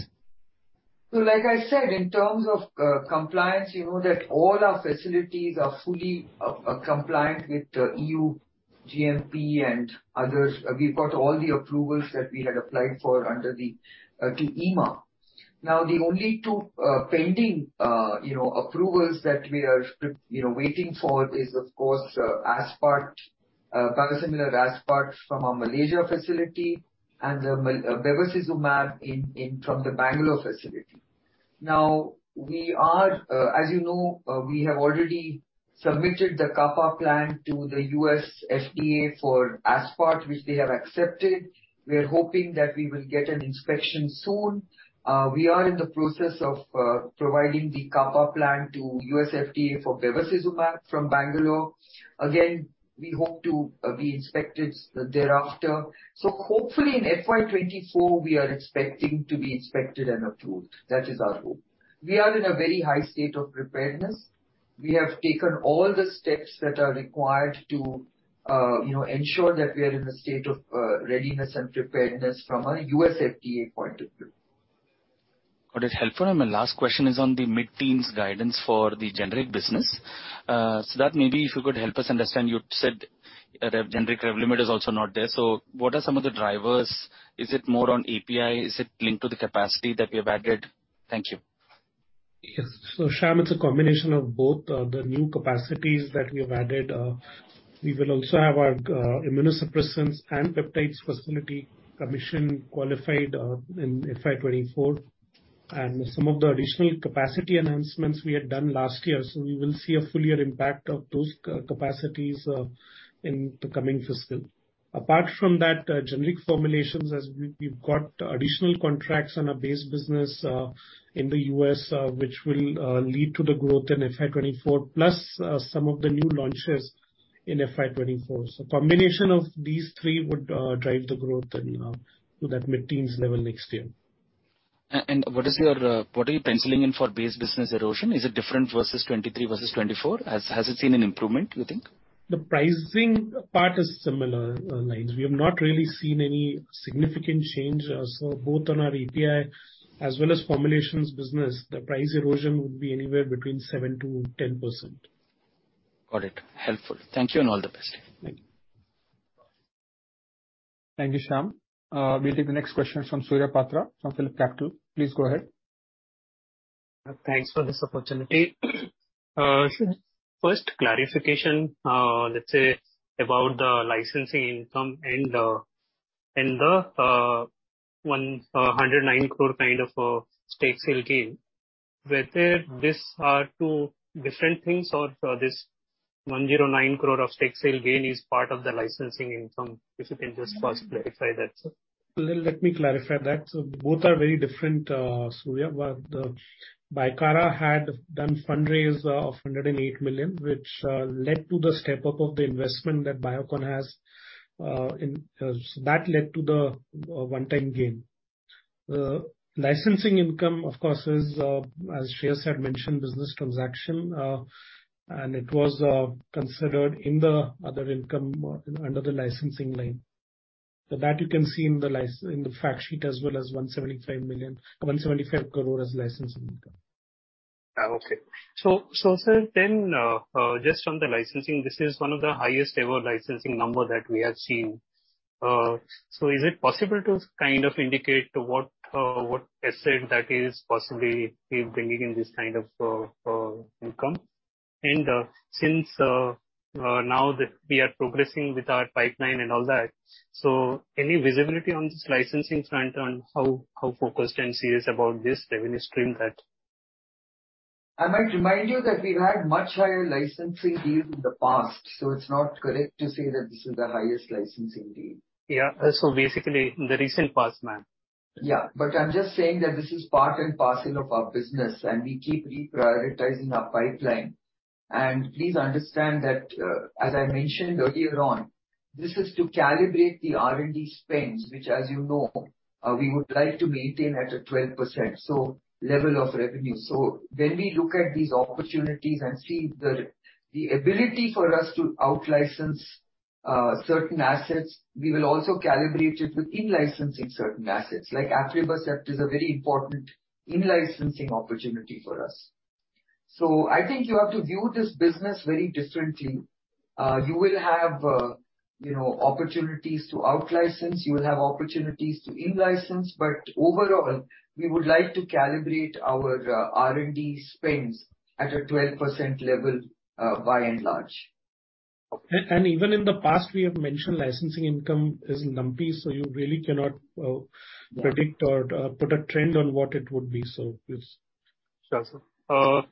[SPEAKER 2] Like I said, in terms of compliance, you know that all our facilities are fully compliant with EU GMP and others. We've got all the approvals that we had applied for under the EMA. The only two pending, you know, approvals that we are, you know, waiting for is, of course, aspart, biosimilar aspart from our Malaysia facility and the m-bevacizumab from the Bangalore facility. We are, as you know, we have already submitted the CAPA plan to the US FDA for aspart, which they have accepted. We are hoping that we will get an inspection soon. We are in the process of providing the CAPA plan to US FDA for bevacizumab from Bangalore. Again, we hope to be inspected thereafter. Hopefully in FY 2024 we are expecting to be inspected and approved. That is our hope. We are in a very high state of preparedness. We have taken all the steps that are required to, you know, ensure that we are in a state of readiness and preparedness from a US FDA point of view.
[SPEAKER 12] Got it. Helpful. My last question is on the mid-teens guidance for the generic business. That maybe if you could help us understand, you said that generic rev limit is also not there. What are some of the drivers? Is it more on API? Is it linked to the capacity that we have added? Thank you.
[SPEAKER 9] Yes. Shyam, it's a combination of both, the new capacities that we have added. We will also have our immunosuppressants and peptides facility commission qualified in FY 2024, and some of the additional capacity enhancements we had done last year. We will see a full year impact of those capacities in the coming fiscal. Apart from that, generic formulations, as we've got additional contracts on our base business in the US, which will lead to the growth in FY 2024, plus some of the new launches in FY 2024. Combination of these three would drive the growth and to that mid-teens level next year.
[SPEAKER 12] What is your, what are you penciling in for base business erosion? Is it different versus 2023 versus 2024? Has it seen an improvement, you think?
[SPEAKER 9] The pricing part is similar lines. We have not really seen any significant change. Both on our API as well as formulations business, the price erosion would be anywhere between 7%-10%.
[SPEAKER 12] Got it. Helpful. Thank you and all the best.
[SPEAKER 1] Thank you, Shyam. We'll take the next question from Surya Patra from PhillipCapital. Please go ahead.
[SPEAKER 13] Thanks for this opportunity. First clarification, let's say about the licensing income and and the 109 crore kind of stake sale gain, whether these are two different things or this 109 crore of stake sale gain is part of the licensing income. If you can just first clarify that, sir?
[SPEAKER 9] Let me clarify that. Both are very different, Surya, Bicara had done fundraise of 108 million, which led to the step up of the investment that Biocon has. That led to the one-time gain. Licensing income, of course, is as Shreehas had mentioned, business transaction, and it was considered in the other income under the licensing line. That you can see in the fact sheet as well as 175 million, 175 crore as licensing income.
[SPEAKER 13] Okay. Sir, then, just from the licensing, this is one of the highest ever licensing number that we have seen. Is it possible to kind of indicate to what asset that is possibly bringing in this kind of, income? Since, now that we are progressing with our pipeline and all that, any visibility on this licensing front on how focused and serious about this revenue stream that?
[SPEAKER 2] I might remind you that we've had much higher licensing deals in the past, so it's not correct to say that this is the highest licensing deal.
[SPEAKER 13] Yeah. basically, in the recent past, ma'am.
[SPEAKER 2] I'm just saying that this is part and parcel of our business, and we keep reprioritizing our pipeline. Please understand that, as I mentioned earlier on, this is to calibrate the R&D spends, which, as you know, we would like to maintain at a 12% level of revenue. When we look at these opportunities and see the ability for us to out-license certain assets, we will also calibrate it with in-licensing certain assets. Like aflibercept is a very important in-licensing opportunity for us. I think you have to view this business very differently. You will have, you know, opportunities to out-license, you will have opportunities to in-license, overall, we would like to calibrate our R&D spends at a 12% level by and large.
[SPEAKER 9] Even in the past, we have mentioned licensing income is lumpy, so you really cannot,
[SPEAKER 2] Yeah.
[SPEAKER 9] predict or, put a trend on what it would be. Yes.
[SPEAKER 13] Sure, sir.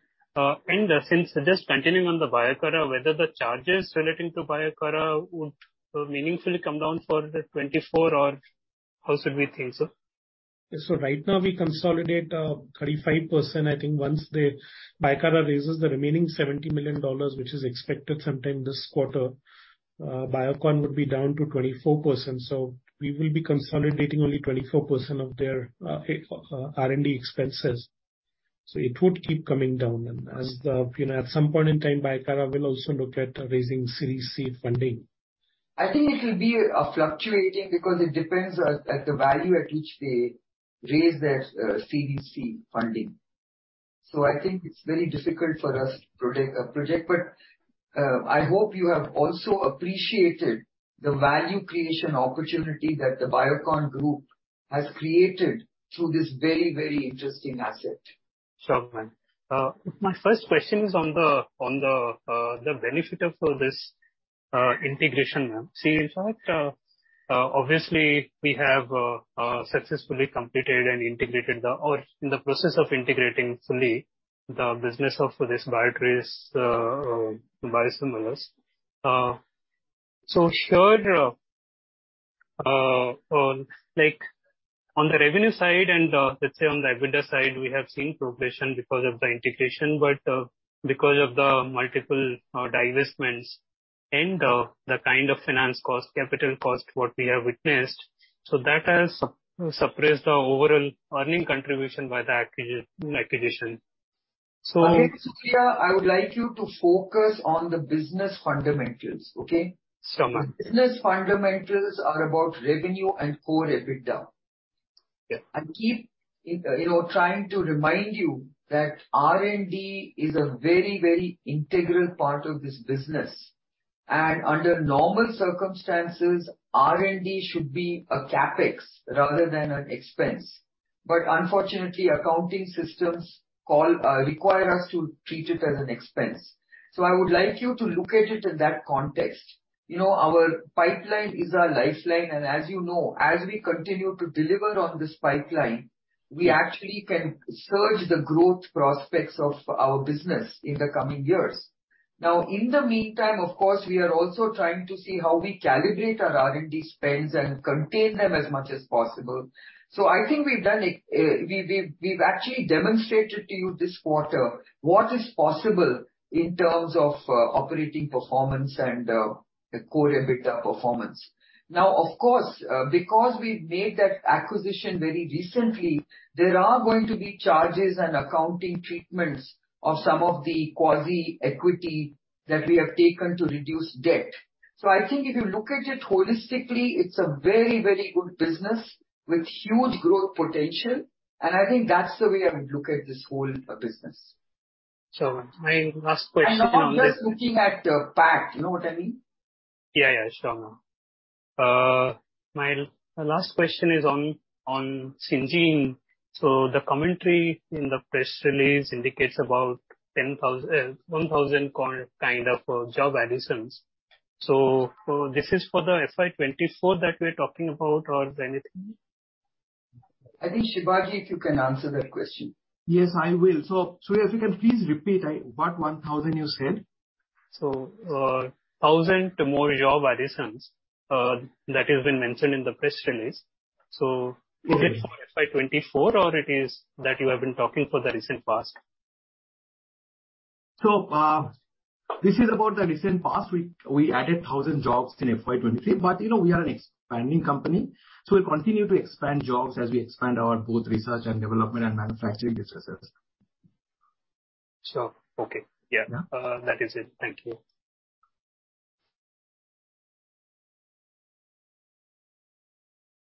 [SPEAKER 13] Since just continuing on the Bicara, whether the charges relating to Bicara would meaningfully come down for 2024, or how should we think, sir?
[SPEAKER 9] Right now we consolidate, 35%. I think once the Bicara raises the remaining $70 million, which is expected sometime this quarter, Biocon would be down to 24%. We will be consolidating only 24% of their R&D expenses. It would keep coming down. As the, you know, at some point in time, Bicara will also look at raising Series C funding.
[SPEAKER 2] I think it will be fluctuating because it depends at the value at which they raise their Series C funding. I think it's very difficult for us to project, but I hope you have also appreciated the value creation opportunity that the Biocon group has created through this very interesting asset.
[SPEAKER 13] Sure, ma'am. My first question is on the benefit of this integration, ma'am. In fact, obviously we have successfully completed or in the process of integrating fully the business of this Viatris biosimilars. On like on the revenue side and, let's say on the EBITDA side, we have seen progression because of the integration, but because of the multiple divestments and the kind of finance cost, capital cost, what we have witnessed, so that has suppressed the overall earning contribution by the acquisition.
[SPEAKER 2] I think, Surya, I would like you to focus on the business fundamentals. Okay?
[SPEAKER 13] Sure, ma'am.
[SPEAKER 2] The business fundamentals are about revenue and Core EBITDA.
[SPEAKER 13] Yeah.
[SPEAKER 2] I keep, you know, trying to remind you that R&D is a very, very integral part of this business. Under normal circumstances, R&D should be a CapEx rather than an expense. Unfortunately, accounting systems require us to treat it as an expense. I would like you to look at it in that context. You know, our pipeline is our lifeline, and as you know, as we continue to deliver on this pipeline, we actually can surge the growth prospects of our business in the coming years. In the meantime, of course, we are also trying to see how we calibrate our R&D spends and contain them as much as possible. I think we've done it. We've actually demonstrated to you this quarter what is possible in terms of operating performance and the Core EBITDA performance. Now, of course, because we've made that acquisition very recently, there are going to be charges and accounting treatments of some of the quasi equity that we have taken to reduce debt. I think if you look at it holistically, it's a very, very good business with huge growth potential. I think that's the way I would look at this whole business.
[SPEAKER 13] Sure, ma'am. My last question on the-
[SPEAKER 2] Not just looking at the PAT. You know what I mean?
[SPEAKER 13] Yeah, yeah. Sure, ma'am. My last question is on Syngene. The commentary in the press release indicates about 10,000, 1,000 kind of job additions. This is for the FY 2024 that we're talking about or anything?
[SPEAKER 2] I think, Sibaji, if you can answer that question.
[SPEAKER 9] Yes, I will. Surya, if you can please repeat, what 1,000 you said.
[SPEAKER 13] 1,000 more job additions that has been mentioned in the press release. Is it for FY 2024 or it is that you have been talking for the recent past?
[SPEAKER 9] This is about the recent past. We added 1,000 jobs in FY 2023. You know, we are an expanding company, we'll continue to expand jobs as we expand our both research and development and manufacturing businesses.
[SPEAKER 13] Sure. Okay. Yeah.
[SPEAKER 9] Yeah.
[SPEAKER 13] That is it. Thank you.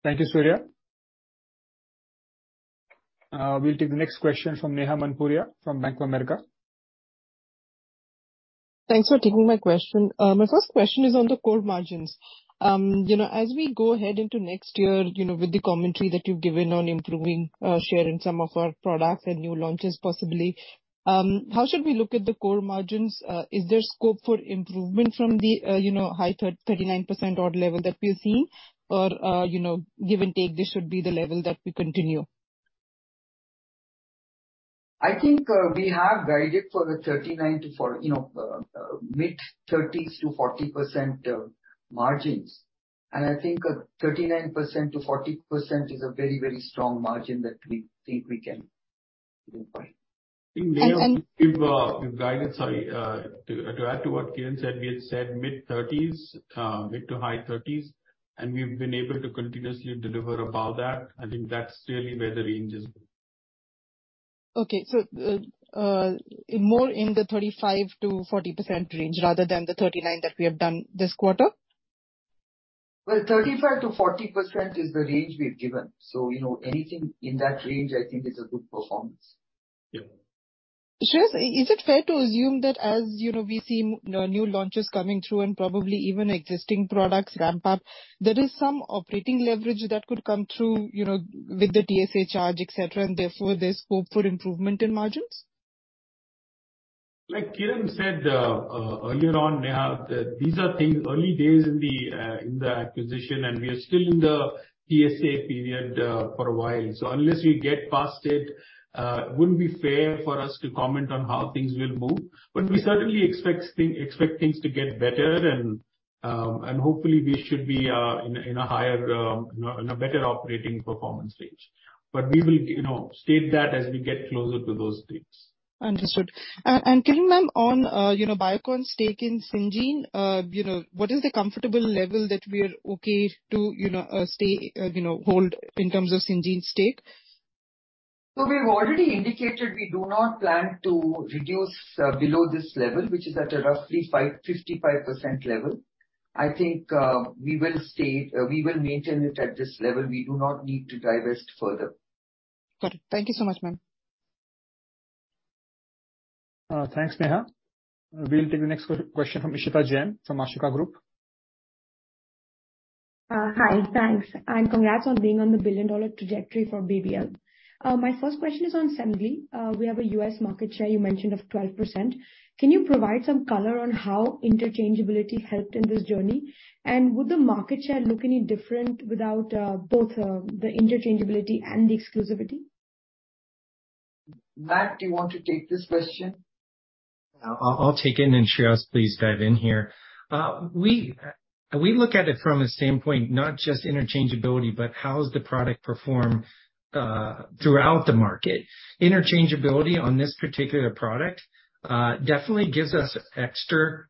[SPEAKER 1] Thank you, Surya. We'll take the next question from Neha Manpuria from Bank of America.
[SPEAKER 14] Thanks for taking my question. My first question is on the core margins. You know, as we go ahead into next year, you know, with the commentary that you've given on improving share in some of our products and new launches possibly, how should we look at the core margins? Is there scope for improvement from the, you know, high 39% odd level that we've seen? Or, you know, give and take, this should be the level that we continue.
[SPEAKER 2] I think, we have guided for the You know, mid-30s to 40% margins. I think, 39%-40% is a very, very strong margin that we think we can go for.
[SPEAKER 14] And, and-
[SPEAKER 4] I think, Neha, if guided. Sorry, to add to what Kiran said, we had said mid-30s%, mid-30s% to high-30s%, and we've been able to continuously deliver above that. I think that's really where the range is.
[SPEAKER 14] Okay. more in the 35%-40% range rather than the 39 that we have done this quarter?
[SPEAKER 2] Well, 35%-40% is the range we've given, you know, anything in that range I think is a good performance.
[SPEAKER 4] Yeah.
[SPEAKER 14] Shreehas, is it fair to assume that as, you know, we see new launches coming through and probably even existing products ramp up, there is some operating leverage that could come through, you know, with the TSA charge, et cetera, and therefore there's hope for improvement in margins?
[SPEAKER 4] Like Kiran said, earlier on, Neha, these are still early days in the acquisition, and we are still in the TSA period, for a while. Unless we get past it wouldn't be fair for us to comment on how things will move. We certainly expect things to get better and hopefully we should be in a higher, in a better operating performance range. We will you know, state that as we get closer to those dates.
[SPEAKER 14] Understood. Kiran ma'am, on, you know, Biocon's stake in Syngene, you know, what is the comfortable level that we are okay to, you know, stay, you know, hold in terms of Syngene stake?
[SPEAKER 2] We've already indicated we do not plan to reduce below this level, which is at a roughly 55% level. I think we will stay. We will maintain it at this level. We do not need to divest further.
[SPEAKER 14] Got it. Thank you so much, ma'am.
[SPEAKER 1] Thanks, Neha. We'll take the next question from Ishita Jain from Ashika Group.
[SPEAKER 15] Hi. Thanks, and congrats on being on the billion-dollar trajectory for BBL. My first question is on Semglee. We have a US market share you mentioned of 12%. Can you provide some color on how interchangeability helped in this journey? Would the market share look any different without both the interchangeability and the exclusivity?
[SPEAKER 2] Matt, do you want to take this question?
[SPEAKER 8] I'll take it, and Shreehas, please dive in here. We look at it from a standpoint, not just interchangeability, but how does the product perform throughout the market. Interchangeability on this particular product definitely gives us extra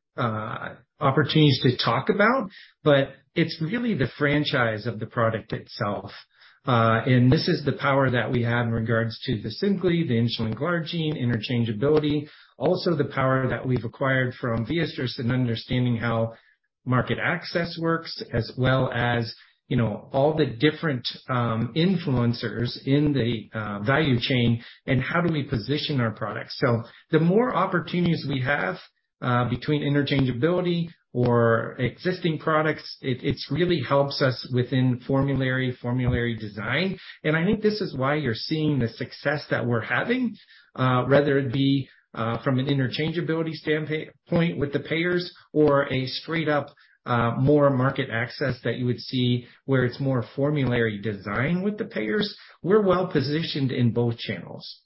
[SPEAKER 8] opportunities to talk about, but it's really the franchise of the product itself. And this is the power that we have in regards to the Semglee, the insulin glargine interchangeability, also the power that we've acquired from Viatris in understanding how market access works, as well as, you know, all the different influencers in the value chain and how do we position our products. The more opportunities we have between interchangeability or existing products, it's really helps us within formulary design. I think this is why you're seeing the success that we're having, whether it be from an interchangeability point with the payers or a straight up, more market access that you would see where it's more formulary design with the payers. We're well-positioned in both channels.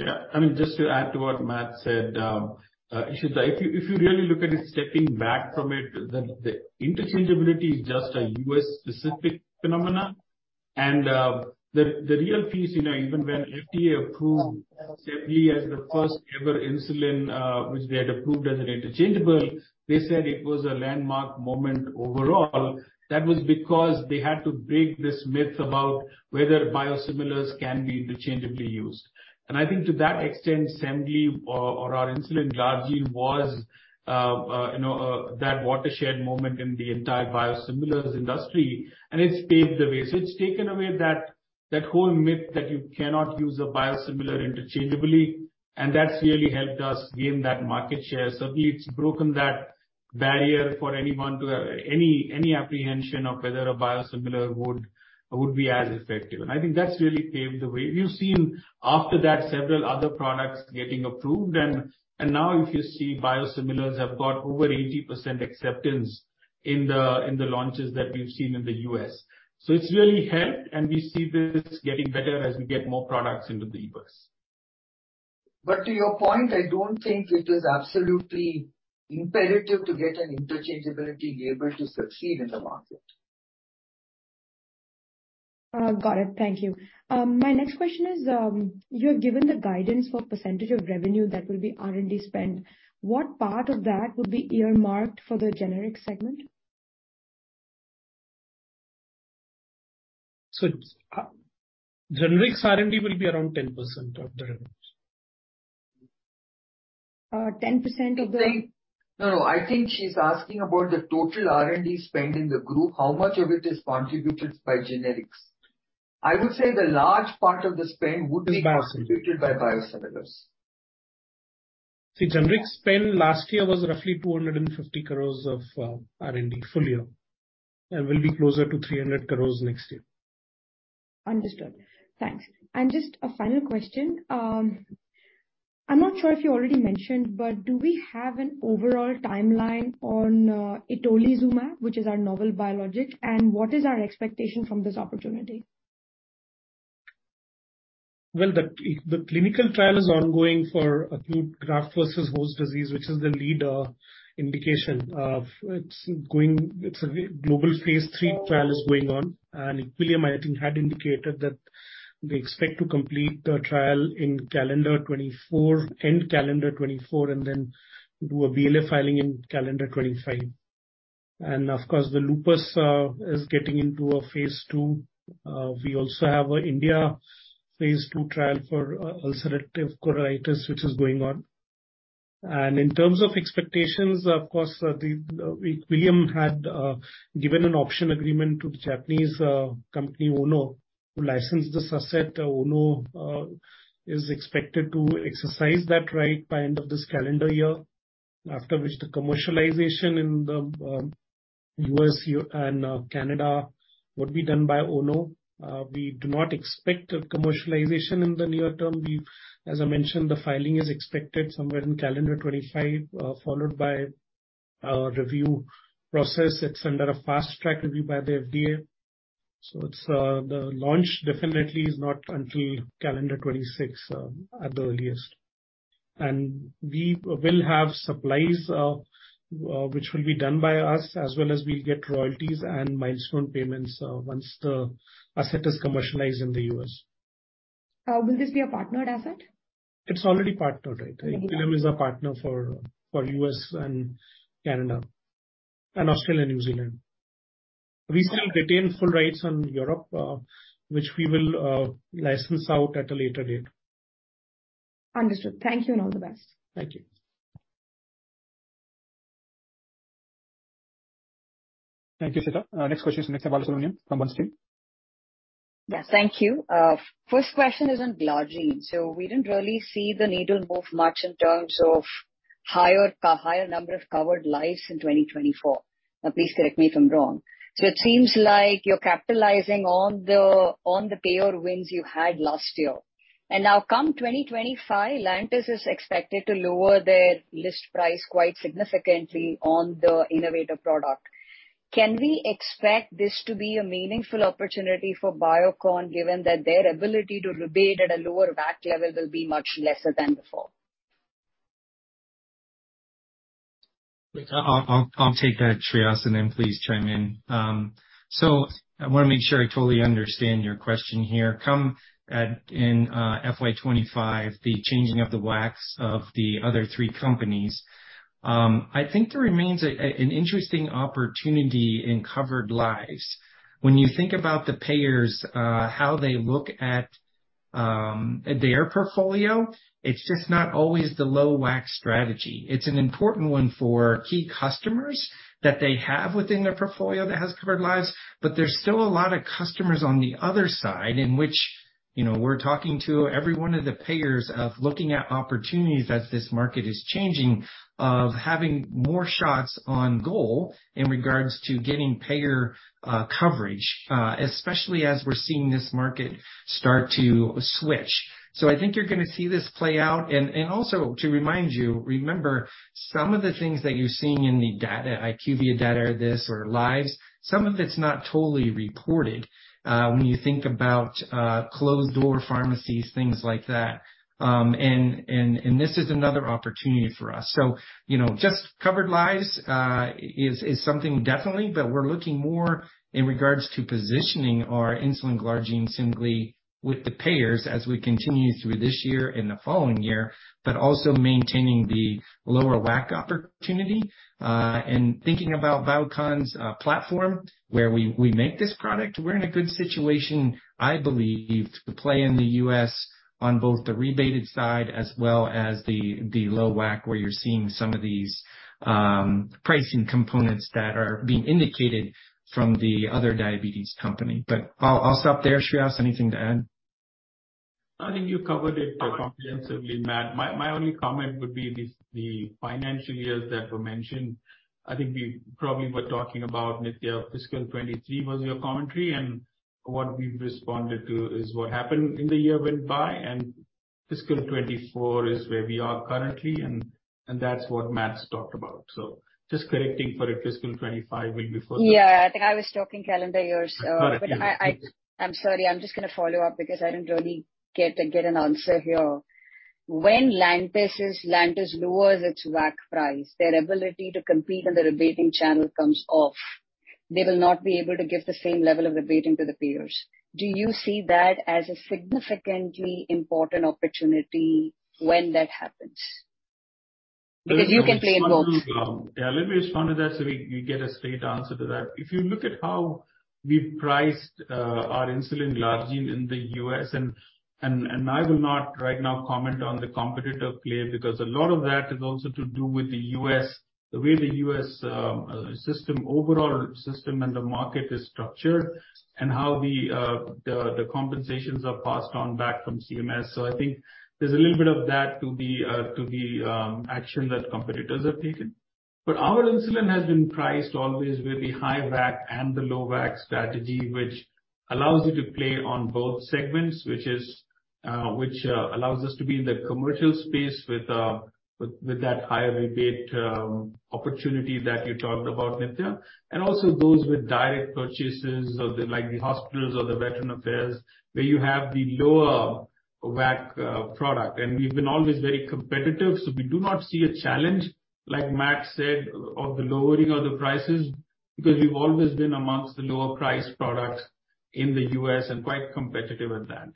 [SPEAKER 4] Yeah. I mean, just to add to what Matt said, Ishita, if you really look at it, stepping back from it, the interchangeability is just a U.S.-specific phenomena. The real piece, you know, even when FDA approved-
[SPEAKER 15] Yeah.
[SPEAKER 4] Semglee as the first ever insulin, which they had approved as an interchangeable, they said it was a landmark moment overall. That was because they had to break this myth about whether biosimilars can be interchangeably used. I think to that extent, Semglee or our insulin glargine was, you know, that watershed moment in the entire biosimilars industry, and it's paved the way. It's taken away that whole myth that you cannot use a biosimilar interchangeably, and that's really helped us gain that market share. Certainly, it's broken that barrier for anyone to have any apprehension of whether a biosimilar would be as effective, and I think that's really paved the way. We've seen after that several other products getting approved, and now if you see biosimilars have got over 80% acceptance in the launches that we've seen in the U.S. It's really helped, and we see this getting better as we get more products into the U.S.
[SPEAKER 2] To your point, I don't think it is absolutely imperative to get an interchangeability label to succeed in the market.
[SPEAKER 15] Got it. Thank you. My next question is, you have given the guidance for % of revenue that will be R&D spend. What part of that would be earmarked for the generics segment?
[SPEAKER 4] Generics R&D will be around 10% of the revenue.
[SPEAKER 15] Uh, ten percent of the-
[SPEAKER 2] No, no. I think she's asking about the total R&D spend in the group, how much of it is contributed by generics. I would say the large part of the spend would be-
[SPEAKER 4] Contributed by biosimilars. Generics spend last year was roughly 250 crores of R&D, full year, and will be closer to 300 crores next year.
[SPEAKER 15] Understood. Thanks. Just a final question, I'm not sure if you already mentioned, but do we have an overall timeline on Itolizumab, which is our novel biologic, and what is our expectation from this opportunity?
[SPEAKER 9] Well, the clinical trial is ongoing for acute graft versus host disease, which is the lead indication. It's a global phase 3 trial is going on, Equillium, I think, had indicated that they expect to complete the trial in calendar 2024, end calendar 2024, and then do a BLA filing in calendar 2025. Of course, the lupus is getting into a phase 2. We also have a India phase 2 trial for ulcerative colitis which is going on. In terms of expectations, of course, the Equillium had given an option agreement to the Japanese company, Ono, to license the asset. Ono is expected to exercise that right by end of this calendar year, after which the commercialization in the US and Canada would be done by Ono. We do not expect a commercialization in the near term. As I mentioned, the filing is expected somewhere in calendar 2025, followed by a review process. It's under a fast-track review by the FDA, so it's, the launch definitely is not until calendar 2026, at the earliest. We will have supplies, which will be done by us as well as we'll get royalties and milestone payments, once the asset is commercialized in the US.
[SPEAKER 15] Will this be a partnered asset?
[SPEAKER 9] It's already partnered, right.
[SPEAKER 15] Okay.
[SPEAKER 9] Equillium is our partner for US and Canada and Australia, New Zealand. We still retain full rights on Europe, which we will license out at a later date.
[SPEAKER 15] Understood. Thank you. All the best.
[SPEAKER 9] Thank you.
[SPEAKER 1] Thank you, Nithya. Next question is from Balasubramanian from Bernstein.
[SPEAKER 16] Yes. Thank you. First question is on glargine. We didn't really see the needle move much in terms of higher number of covered lives in 2024. Please correct me if I'm wrong. It seems like you're capitalizing on the payer wins you had last year. Now come 2025, Lantus is expected to lower their list price quite significantly on the innovative product. Can we expect this to be a meaningful opportunity for Biocon, given that their ability to rebate at a lower WAC level will be much lesser than before?
[SPEAKER 8] I'll take that, Shreehas, and then please chime in. I wanna make sure I totally understand your question here. FY 2025, the changing of the WACs of the other three companies, I think there remains an interesting opportunity in covered lives. When you think about the payers, how they look at their portfolio, it's just not always the low WAC strategy. It's an important one for key customers that they have within their portfolio that has covered lives, but there's still a lot of customers on the other side in which, you know, we're talking to every one of the payers of looking at opportunities as this market is changing, of having more shots on goal in regards to getting payer coverage, especially as we're seeing this market start to switch. I think you're gonna see this play out. Also to remind you, remember some of the things that you're seeing in the data, IQVIA data or this or lives, some of it's not totally reported, when you think about closed-door pharmacies, things like that. This is another opportunity for us. You know, just covered lives is something definitely, but we're looking more in regards to positioning our insulin glargine simply with the payers as we continue through this year and the following year. Also maintaining the lower WAC opportunity, and thinking about Biocon's platform where we make this product, we're in a good situation, I believe, to play in the US on both the rebated side as well as the low WAC, where you're seeing some of these pricing components that are being indicated from the other diabetes company. I'll stop there. Shreehas, anything to add?
[SPEAKER 9] I think you covered it comprehensively, Matt. My only comment would be the financial years that were mentioned. I think we probably were talking about Nithya fiscal 2023 was your commentary, what we've responded to is what happened in the year went by, fiscal 2024 is where we are currently and that's what Matt's talked about. Just correcting for a fiscal 2025 will be for-
[SPEAKER 16] Yeah. I think I was talking calendar years.
[SPEAKER 9] Right.
[SPEAKER 16] I'm sorry. I'm just gonna follow up because I didn't really get an answer here. When Lantus lowers its WAC price, their ability to compete on the rebating channel comes off. They will not be able to give the same level of rebating to the payers. Do you see that as a significantly important opportunity when that happens? You can play in both.
[SPEAKER 9] Yeah, let me respond to that so we get a straight answer to that. If you look at how we've priced insulin glargine in the U.S. and I will not right now comment on the competitive play because a lot of that is also to do with the U.S., the way the U.S. system, overall system and the market is structured and how the compensations are passed on back from CMS. I think there's a little bit of that to the action that competitors have taken.
[SPEAKER 4] Our insulin has been priced always with the high WAC and the low WAC strategy, which allows you to play on both segments, which allows us to be in the commercial space with that higher rebate opportunity that you talked about, Nithya, and also those with direct purchases of the hospitals or the Veterans Affairs, where you have the lower WAC product. We've been always very competitive, so we do not see a challenge, like Max said, of the lowering of the prices, because we've always been amongst the lower priced products in the U.S. and quite competitive at that.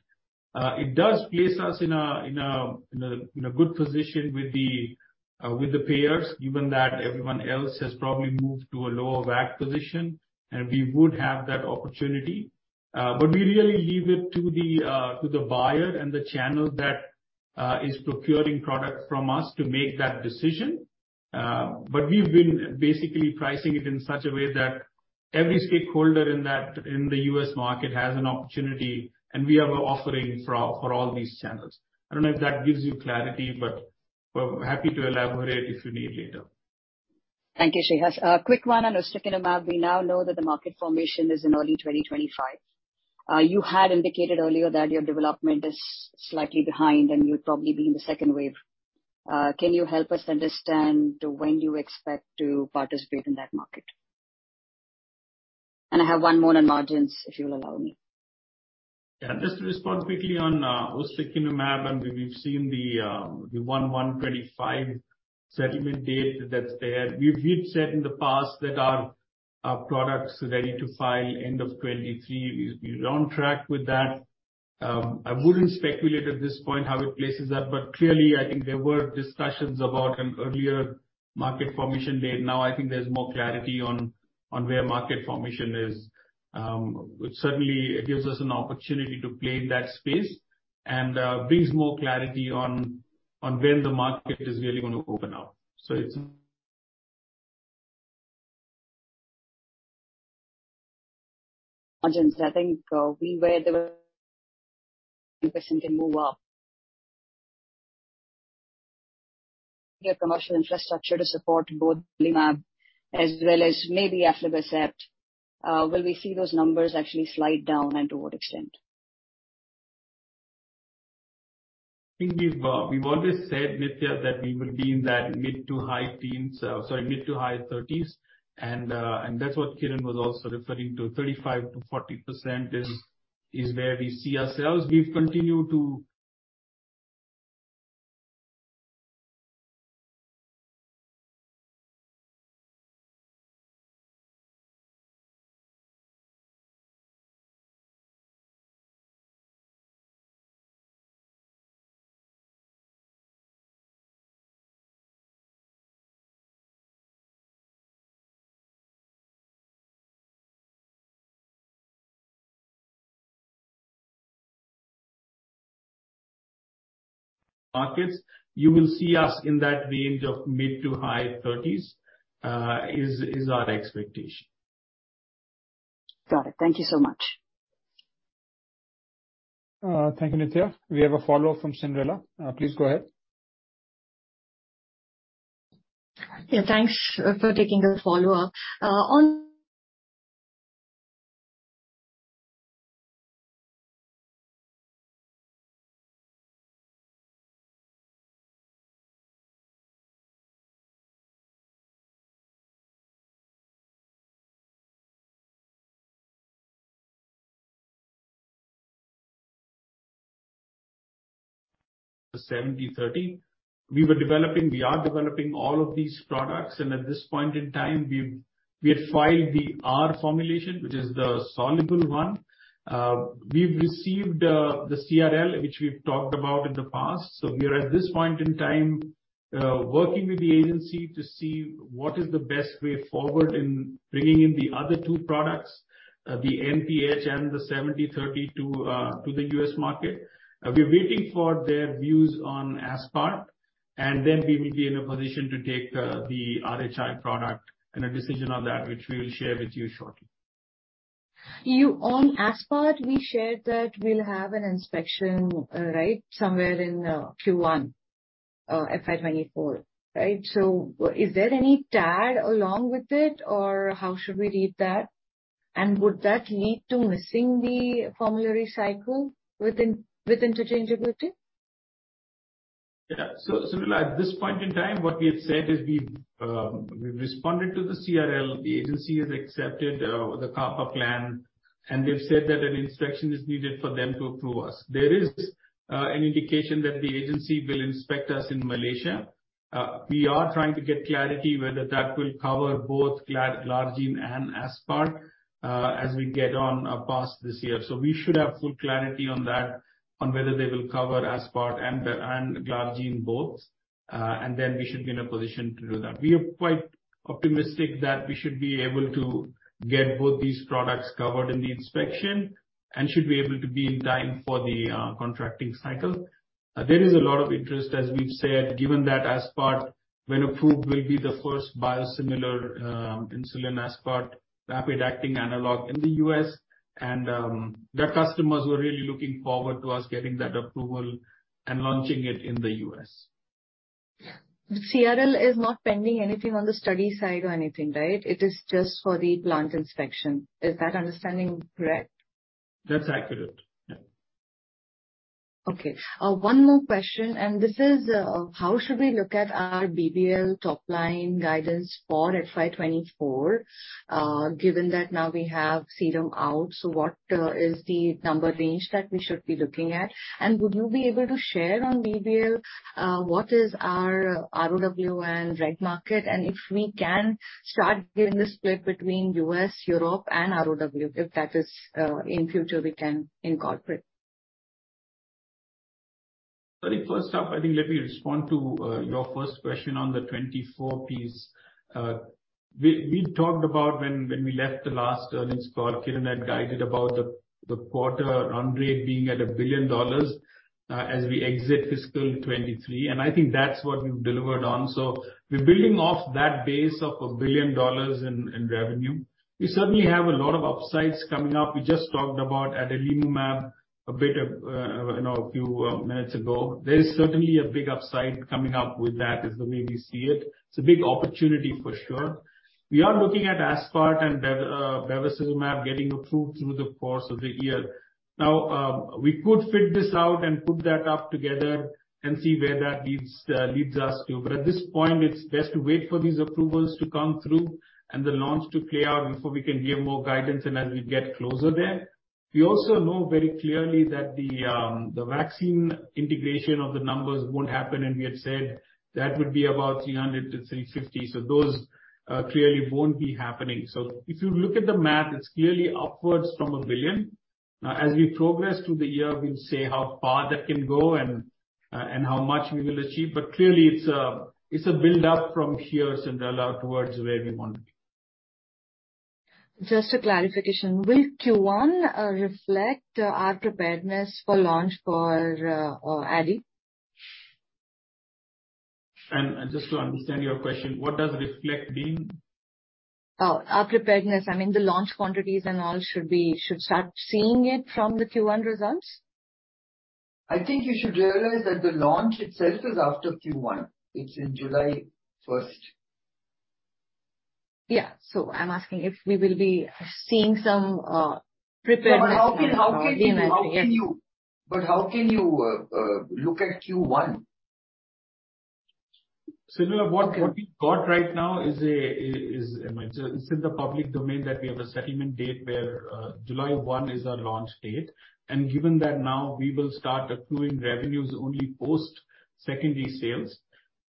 [SPEAKER 4] It does place us in a good position with the payers, given that everyone else has probably moved to a lower WAC position. We would have that opportunity. We really leave it to the buyer and the channel that is procuring product from us to make that decision. We've been basically pricing it in such a way that every stakeholder in that, in the U.S. market has an opportunity, and we have a offering for all these channels. I don't know if that gives you clarity, but we're happy to elaborate if you need later.
[SPEAKER 16] Thank you, Shreehas. A quick one on Ustekinumab. We now know that the market formation is in early 2025. You had indicated earlier that your development is slightly behind and you'll probably be in the second wave. Can you help us understand when you expect to participate in that market? I have one more on margins, if you'll allow me.
[SPEAKER 4] Just to respond quickly on Ustekinumab, we've seen the 1/1/2025 settlement date that's there. We've said in the past that our product's ready to file end of 2023. We're on track with that. I wouldn't speculate at this point how it places that, but clearly I think there were discussions about an earlier market formation date. I think there's more clarity on where market formation is. It certainly gives us an opportunity to play in that space and brings more clarity on when the market is really gonna open up. It's-
[SPEAKER 16] Margins, I think, we were the commercial infrastructure to support both blimab as well as maybe aflibercept. Will we see those numbers actually slide down, and to what extent?
[SPEAKER 4] I think we've always said, Nithya, that we will be in that mid to high teens. Sorry, mid to high 30s, and that's what Kiran was also referring to. 35%-40% is where we see ourselves. We've continued to markets, you will see us in that range of mid to high 30s, is our expectation.
[SPEAKER 16] Got it. Thank you so much.
[SPEAKER 1] Thank you, Nithya. We have a follow-up from Cyndrella Carvalho. Please go ahead.
[SPEAKER 3] Yeah, thanks for taking the follow-up.
[SPEAKER 4] The 70/30, we were developing, we are developing all of these products, and at this point in time we had filed the R formulation, which is the soluble one. We've received the CRL, which we've talked about in the past. We are at this point in time working with the agency to see what is the best way forward in bringing in the other two products, the NPH and the 70/30 to the U.S. market. We're waiting for their views on Aspart, and then we will be in a position to take the rh-Insulin product and a decision on that, which we will share with you shortly.
[SPEAKER 3] On Aspart, we shared that we'll have an inspection, right? Somewhere in Q1 FY 2024, right? Is there any tag along with it or how should we read that? Would that lead to missing the formulary cycle within, with interchangeability?
[SPEAKER 4] At this point in time, what we have said is we've responded to the CRL. The agency has accepted the CAPA plan, and they've said that an inspection is needed for them to approve us. There is an indication that the agency will inspect us in Malaysia. We are trying to get clarity whether that will cover both glargine and Aspart as we get on past this year. We should have full clarity on that, on whether they will cover Aspart and glargine both, and then we should be in a position to do that. We are quite optimistic that we should be able to get both these products covered in the inspection and should be able to be in time for the contracting cycle. There is a lot of interest, as we've said, given that aspart, when approved, will be the first biosimilar, insulin aspart, rapid-acting analog in the U.S. Their customers were really looking forward to us getting that approval and launching it in the U.S.
[SPEAKER 3] Yeah. CRL is not pending anything on the study side or anything, right? It is just for the plant inspection. Is that understanding correct?
[SPEAKER 4] That's accurate. Yeah.
[SPEAKER 3] Okay. One more question, this is, how should we look at our BBL top-line guidance for FY 2024, given that now we have Serum out, what is the number range that we should be looking at? Would you be able to share on BBL, what is our ROW and reg market and if we can start giving the split between U.S., Europe, and ROW, if that is, in future we can incorporate?
[SPEAKER 4] First up, I think let me respond to your first question on the 2024 piece. We talked about when we left the last earnings call, Kireet had guided about the quarter run rate being at $1 billion as we exit fiscal 2023, I think that's what we've delivered on. We're building off that base of $1 billion in revenue. We certainly have a lot of upsides coming up. We just talked about adalimumab a bit, you know, a few minutes ago. There is certainly a big upside coming up with that, is the way we see it. It's a big opportunity for sure. We are looking at Aspart and bevacizumab getting approved through the course of the year. We could figure this out and put that up together and see where that leads leads us to, but at this point, it's best to wait for these approvals to come through and the launch to play out before we can give more guidance, and as we get closer there. We also know very clearly that the vaccine integration of the numbers won't happen, and we had said that would be about 300-350. Those clearly won't be happening. If you look at the math, it's clearly upwards from $1 billion. As we progress through the year, we'll say how far that can go and how much we will achieve, but clearly it's a, it's a build-up from here, Cyndrella, towards where we want it.
[SPEAKER 3] Just a clarification. Will Q1 reflect our preparedness for launch for Adi?
[SPEAKER 4] Just to understand your question, what does reflect mean?
[SPEAKER 3] Oh, our preparedness, I mean the launch quantities and all Should start seeing it from the Q1 results.
[SPEAKER 4] I think you should realize that the launch itself is after Q1. It's in July 1st.
[SPEAKER 3] Yeah. I'm asking if we will be seeing some preparedness.
[SPEAKER 9] How can you
[SPEAKER 3] In that, yes.
[SPEAKER 9] How can you look at Q1?
[SPEAKER 4] What we've got right now it's in the public domain that we have a settlement date where July 1 is our launch date. Given that now we will start accruing revenues only post secondary sales.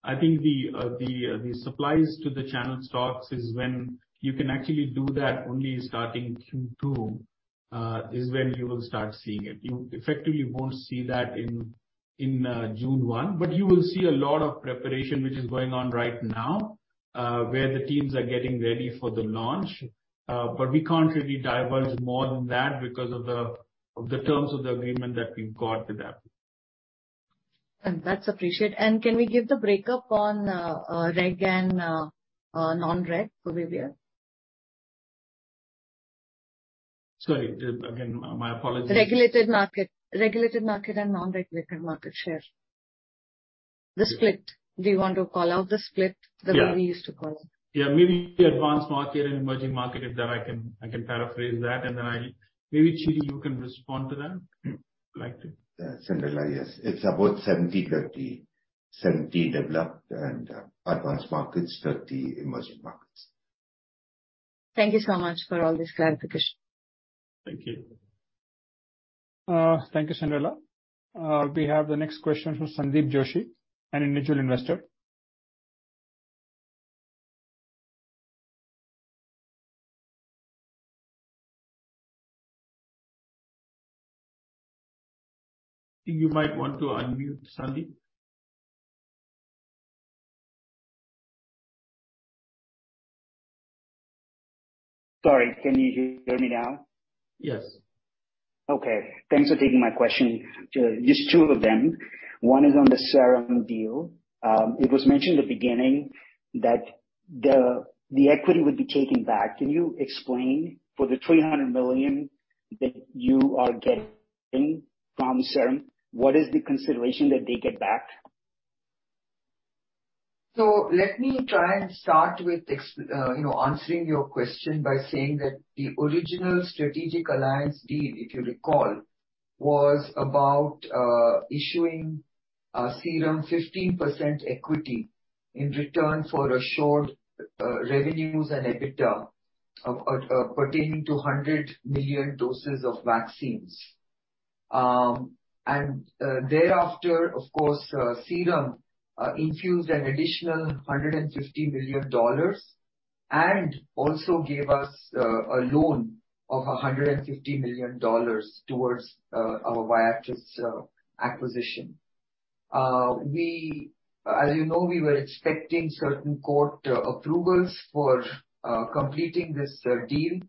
[SPEAKER 4] I think the supplies to the channel stocks is when you can actually do that only starting Q2 is when you will start seeing it. You effectively won't see that in June 1, but you will see a lot of preparation which is going on right now where the teams are getting ready for the launch. We can't really divulge more than that because of the terms of the agreement that we've got with them.
[SPEAKER 3] That's appreciated. Can we give the breakup on reg and non-reg for BBL?
[SPEAKER 4] Sorry. Again, my apologies.
[SPEAKER 3] Regulated market. Regulated market and non-regulated market share.
[SPEAKER 4] Yeah.
[SPEAKER 3] The split. Do you want to call out the split the way...
[SPEAKER 4] Yeah.
[SPEAKER 3] We used to call them?
[SPEAKER 4] Yeah. Maybe advanced market and emerging market, if that I can paraphrase that, and then Maybe, Chinni, you can respond to that. If you'd like to.
[SPEAKER 5] Yeah. Sure thing. Yes. It's about 70/30. 70 developed and advanced markets, 30 emerging markets.
[SPEAKER 3] Thank you so much for all this clarification.
[SPEAKER 4] Thank you.
[SPEAKER 1] Thank you, Cyndrella. We have the next question from Sandeep Joshi, an individual investor. I think you might want to unmute, Sandeep.
[SPEAKER 17] Sorry. Can you hear me now?
[SPEAKER 4] Yes.
[SPEAKER 17] Okay. Thanks for taking my question. just two of them. One is on the Serum deal. it was mentioned in the beginning that the equity would be taken back. Can you explain, for the $300 million that you are getting from Serum, what is the consideration that they get back?
[SPEAKER 2] Let me try and start with, you know, answering your question by saying that the original strategic alliance deal, if you recall, was about issuing Serum 15% equity in return for assured revenues and EBITDA pertaining to 100 million doses of vaccines. Thereafter, of course, Serum infused an additional $150 million, and also gave us a loan of $150 million towards our Viatris acquisition. As you know, we were expecting certain court approvals for completing this deal,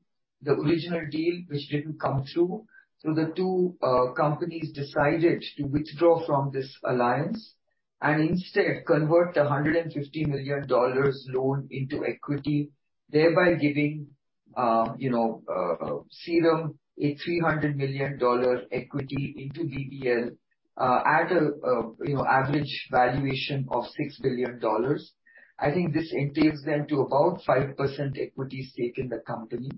[SPEAKER 2] the original deal, which didn't come through. The two companies decided to withdraw from this alliance. Instead convert the $150 million loan into equity, thereby giving, you know, Serum a $300 million equity into BBL, at a, you know, average valuation of $6 billion. I think this entails them to about 5% equity stake in the company.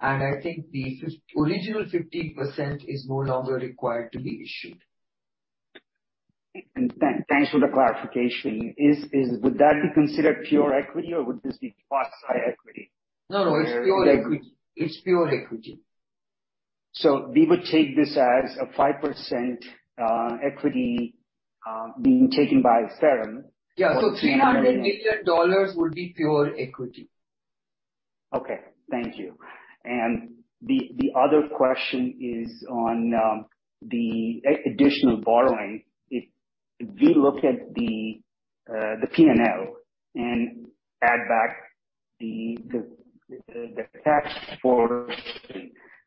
[SPEAKER 2] I think the original 15% is no longer required to be issued.
[SPEAKER 17] Thanks for the clarification. Is Would that be considered pure equity or would this be quasi-equity where-?
[SPEAKER 2] No, it's pure equity.
[SPEAKER 17] We would take this as a 5% equity being taken by Serum.
[SPEAKER 2] Yeah. $300 million would be pure equity.
[SPEAKER 17] Okay. Thank you. The other question is on additional borrowing. If we look at the P&L and add back the cash for,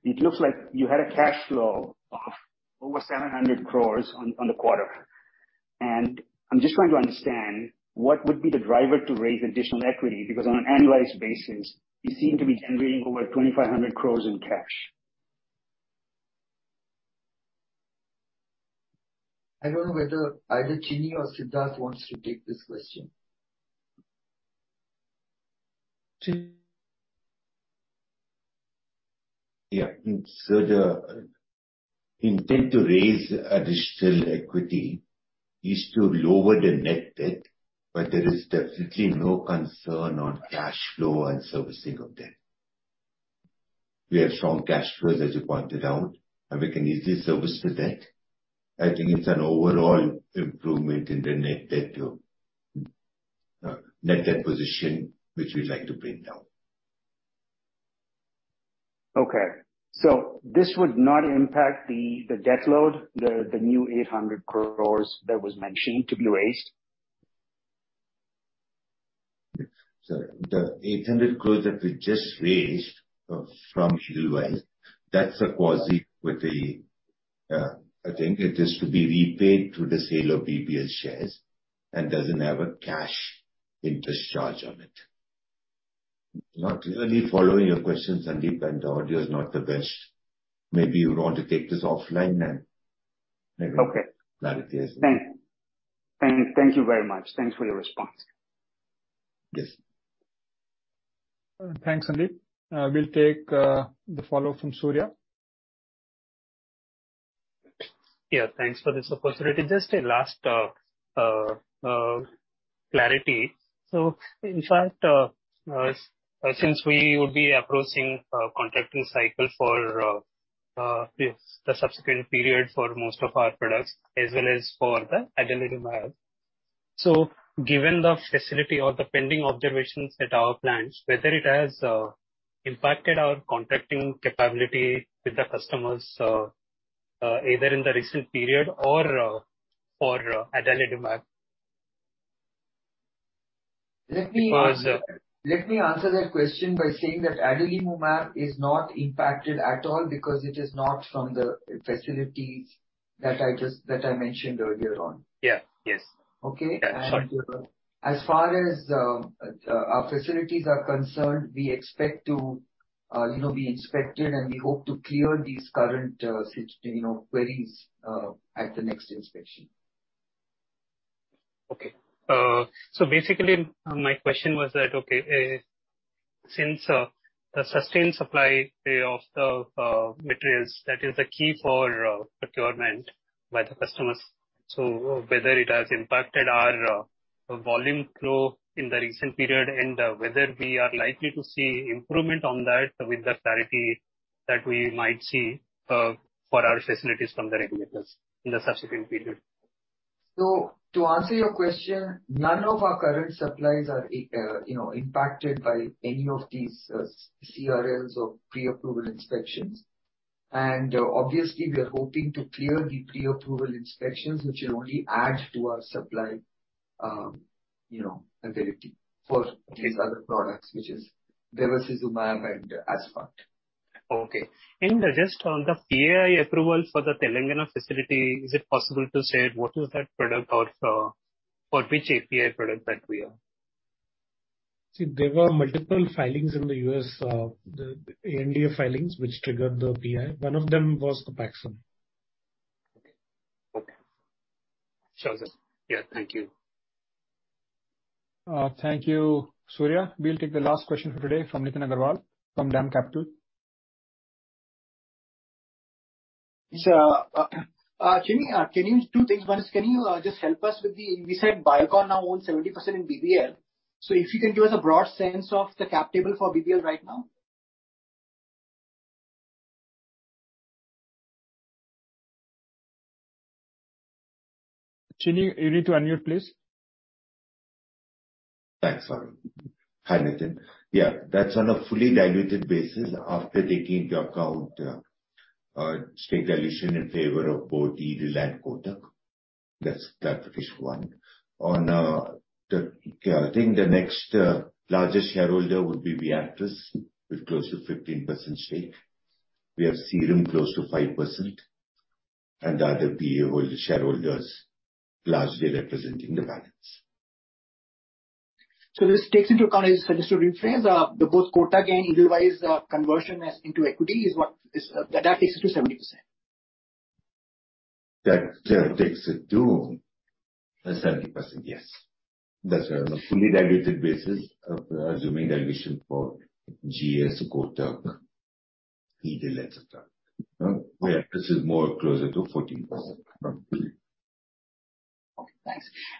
[SPEAKER 17] it looks like you had a cash flow of over 700 crores on the quarter. I'm just trying to understand what would be the driver to raise additional equity, because on an annualized basis, you seem to be generating over 2,500 crores in cash.
[SPEAKER 2] I don't know whether either Chinni or Siddharth wants to take this question.
[SPEAKER 18] Yeah. The intent to raise additional equity is to lower the net debt, there is definitely no concern on cash flow and servicing of debt. We have strong cash flows, as you pointed out, and we can easily service the debt. I think it's an overall improvement in the net debt, net debt position, which we'd like to bring down.
[SPEAKER 17] Okay. This would not impact the debt load, the new 800 crores that was mentioned to be raised.
[SPEAKER 18] The 800 crores that we just raised from Edelweiss, that's a quasi equity. I think it is to be repaid through the sale of BBL shares and doesn't have a cash interest charge on it. Not really following your question, Sandeep, and the audio is not the best. Maybe you want to take this offline.
[SPEAKER 17] Okay.
[SPEAKER 18] Clarity is better.
[SPEAKER 17] Thank you very much. Thanks for your response.
[SPEAKER 18] Yes.
[SPEAKER 1] Thanks, Sandeep. We'll take the follow from Surya.
[SPEAKER 13] Yeah, thanks for this opportunity. Just a last clarity. In fact, since we would be approaching a contracting cycle for the subsequent period for most of our products as well as for Adalimumab, given the facility or the pending observations at our plants, whether it has impacted our contracting capability with the customers either in the recent period or for Adalimumab?
[SPEAKER 2] Let me-
[SPEAKER 13] Because.
[SPEAKER 2] Let me answer that question by saying that Adalimumab is not impacted at all because it is not from the facilities that I just, that I mentioned earlier on.
[SPEAKER 13] Yeah. Yes.
[SPEAKER 2] Okay.
[SPEAKER 13] Yeah. Sorry.
[SPEAKER 2] As far as our facilities are concerned, we expect to, you know, be inspected and we hope to clear these current, you know, queries at the next inspection.
[SPEAKER 13] Okay. Basically, my question was that, okay, since the sustained supply of the materials that is the key for procurement by the customers, so whether it has impacted our volume flow in the recent period and whether we are likely to see improvement on that with the clarity that we might see for our facilities from the regulators in the subsequent period.
[SPEAKER 2] To answer your question, none of our current supplies are, you know, impacted by any of these, CRLs or pre-approval inspections. Obviously we are hoping to clear the pre-approval inspections, which will only add to our supply, you know, ability for these other products, which is Bevacizumab and insulin aspart.
[SPEAKER 13] Okay. Just on the PAI approval for the Telangana facility, is it possible to say what is that product or for which API product that we are?
[SPEAKER 1] See, there were multiple filings in the US, the ANDA filings which triggered the PI. One of them was Cobaxam.
[SPEAKER 13] Okay. Okay. Sounds good. Yeah. Thank you.
[SPEAKER 1] Thank you, Surya. We'll take the last question for today from Nitin Agarwal from DAM Capital.
[SPEAKER 19] Sir, Chini, can you. Two things. One is can you just help us with We said Biocon now owns 70% in BBL. If you can give us a broad sense of the cap table for BBL right now?
[SPEAKER 1] Chinni, you need to unmute, please.
[SPEAKER 5] Thanks. Sorry. Hi, Nitin. Yeah. That's on a fully diluted basis after taking into account stake dilution in favor of both Reliance and Kotak. That's one. On the, yeah, I think the next largest shareholder would be Viatris with close to 15% stake. We have Serum close to 5% and the other PA holders, shareholders largely representing the balance.
[SPEAKER 19] this takes into account as registered refrains, the post quota gain Edelweiss conversion as into equity is what is, that takes it to 70%.
[SPEAKER 5] That takes it to 70%, yes. That's a fully diluted basis of assuming dilution for GS, Kotak, Edelweiss, et cetera. Where this is more closer to 14% probably.
[SPEAKER 19] Okay,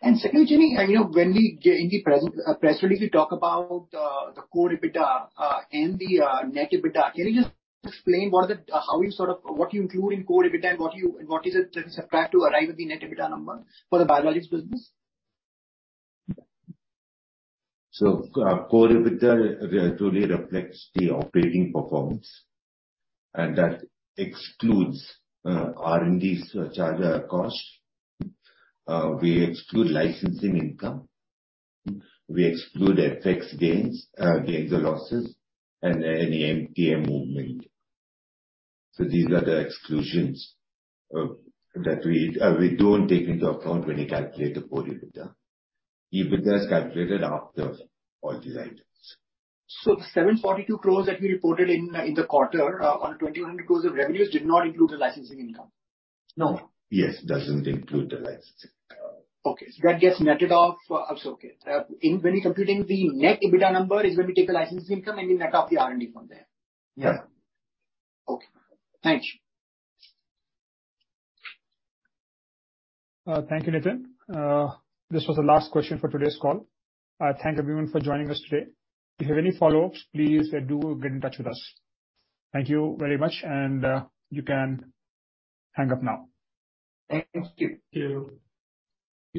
[SPEAKER 19] thanks. Secondly, Jimmy, you know, in the present press release, we talk about the Core EBITDA and the net EBITDA. Can you just explain how you sort of, what you include in Core EBITDA and what is it that you subtract to arrive at the net EBITDA number for the Biologics business?
[SPEAKER 5] Core EBITDA truly reflects the operating performance, and that excludes R&D's charger cost. We exclude licensing income. We exclude FX gains or losses and any M&A movement. These are the exclusions that we don't take into account when we calculate the core EBITDA. EBITDA is calculated after all these items.
[SPEAKER 19] The 742 crores that we reported in the quarter on 2,100 crores of revenues did not include the licensing income. No.
[SPEAKER 5] Yes. Doesn't include the licensing.
[SPEAKER 19] Okay. That gets netted off. It's okay. When you're computing the net EBITDA number is when we take the licensing income and we net off the R&D from there.
[SPEAKER 5] Yeah.
[SPEAKER 19] Okay. Thanks.
[SPEAKER 1] Thank you, Nitin. This was the last question for today's call. Thank everyone for joining us today. If you have any follow-ups, please do get in touch with us. Thank you very much. You can hang up now.
[SPEAKER 18] Thank you.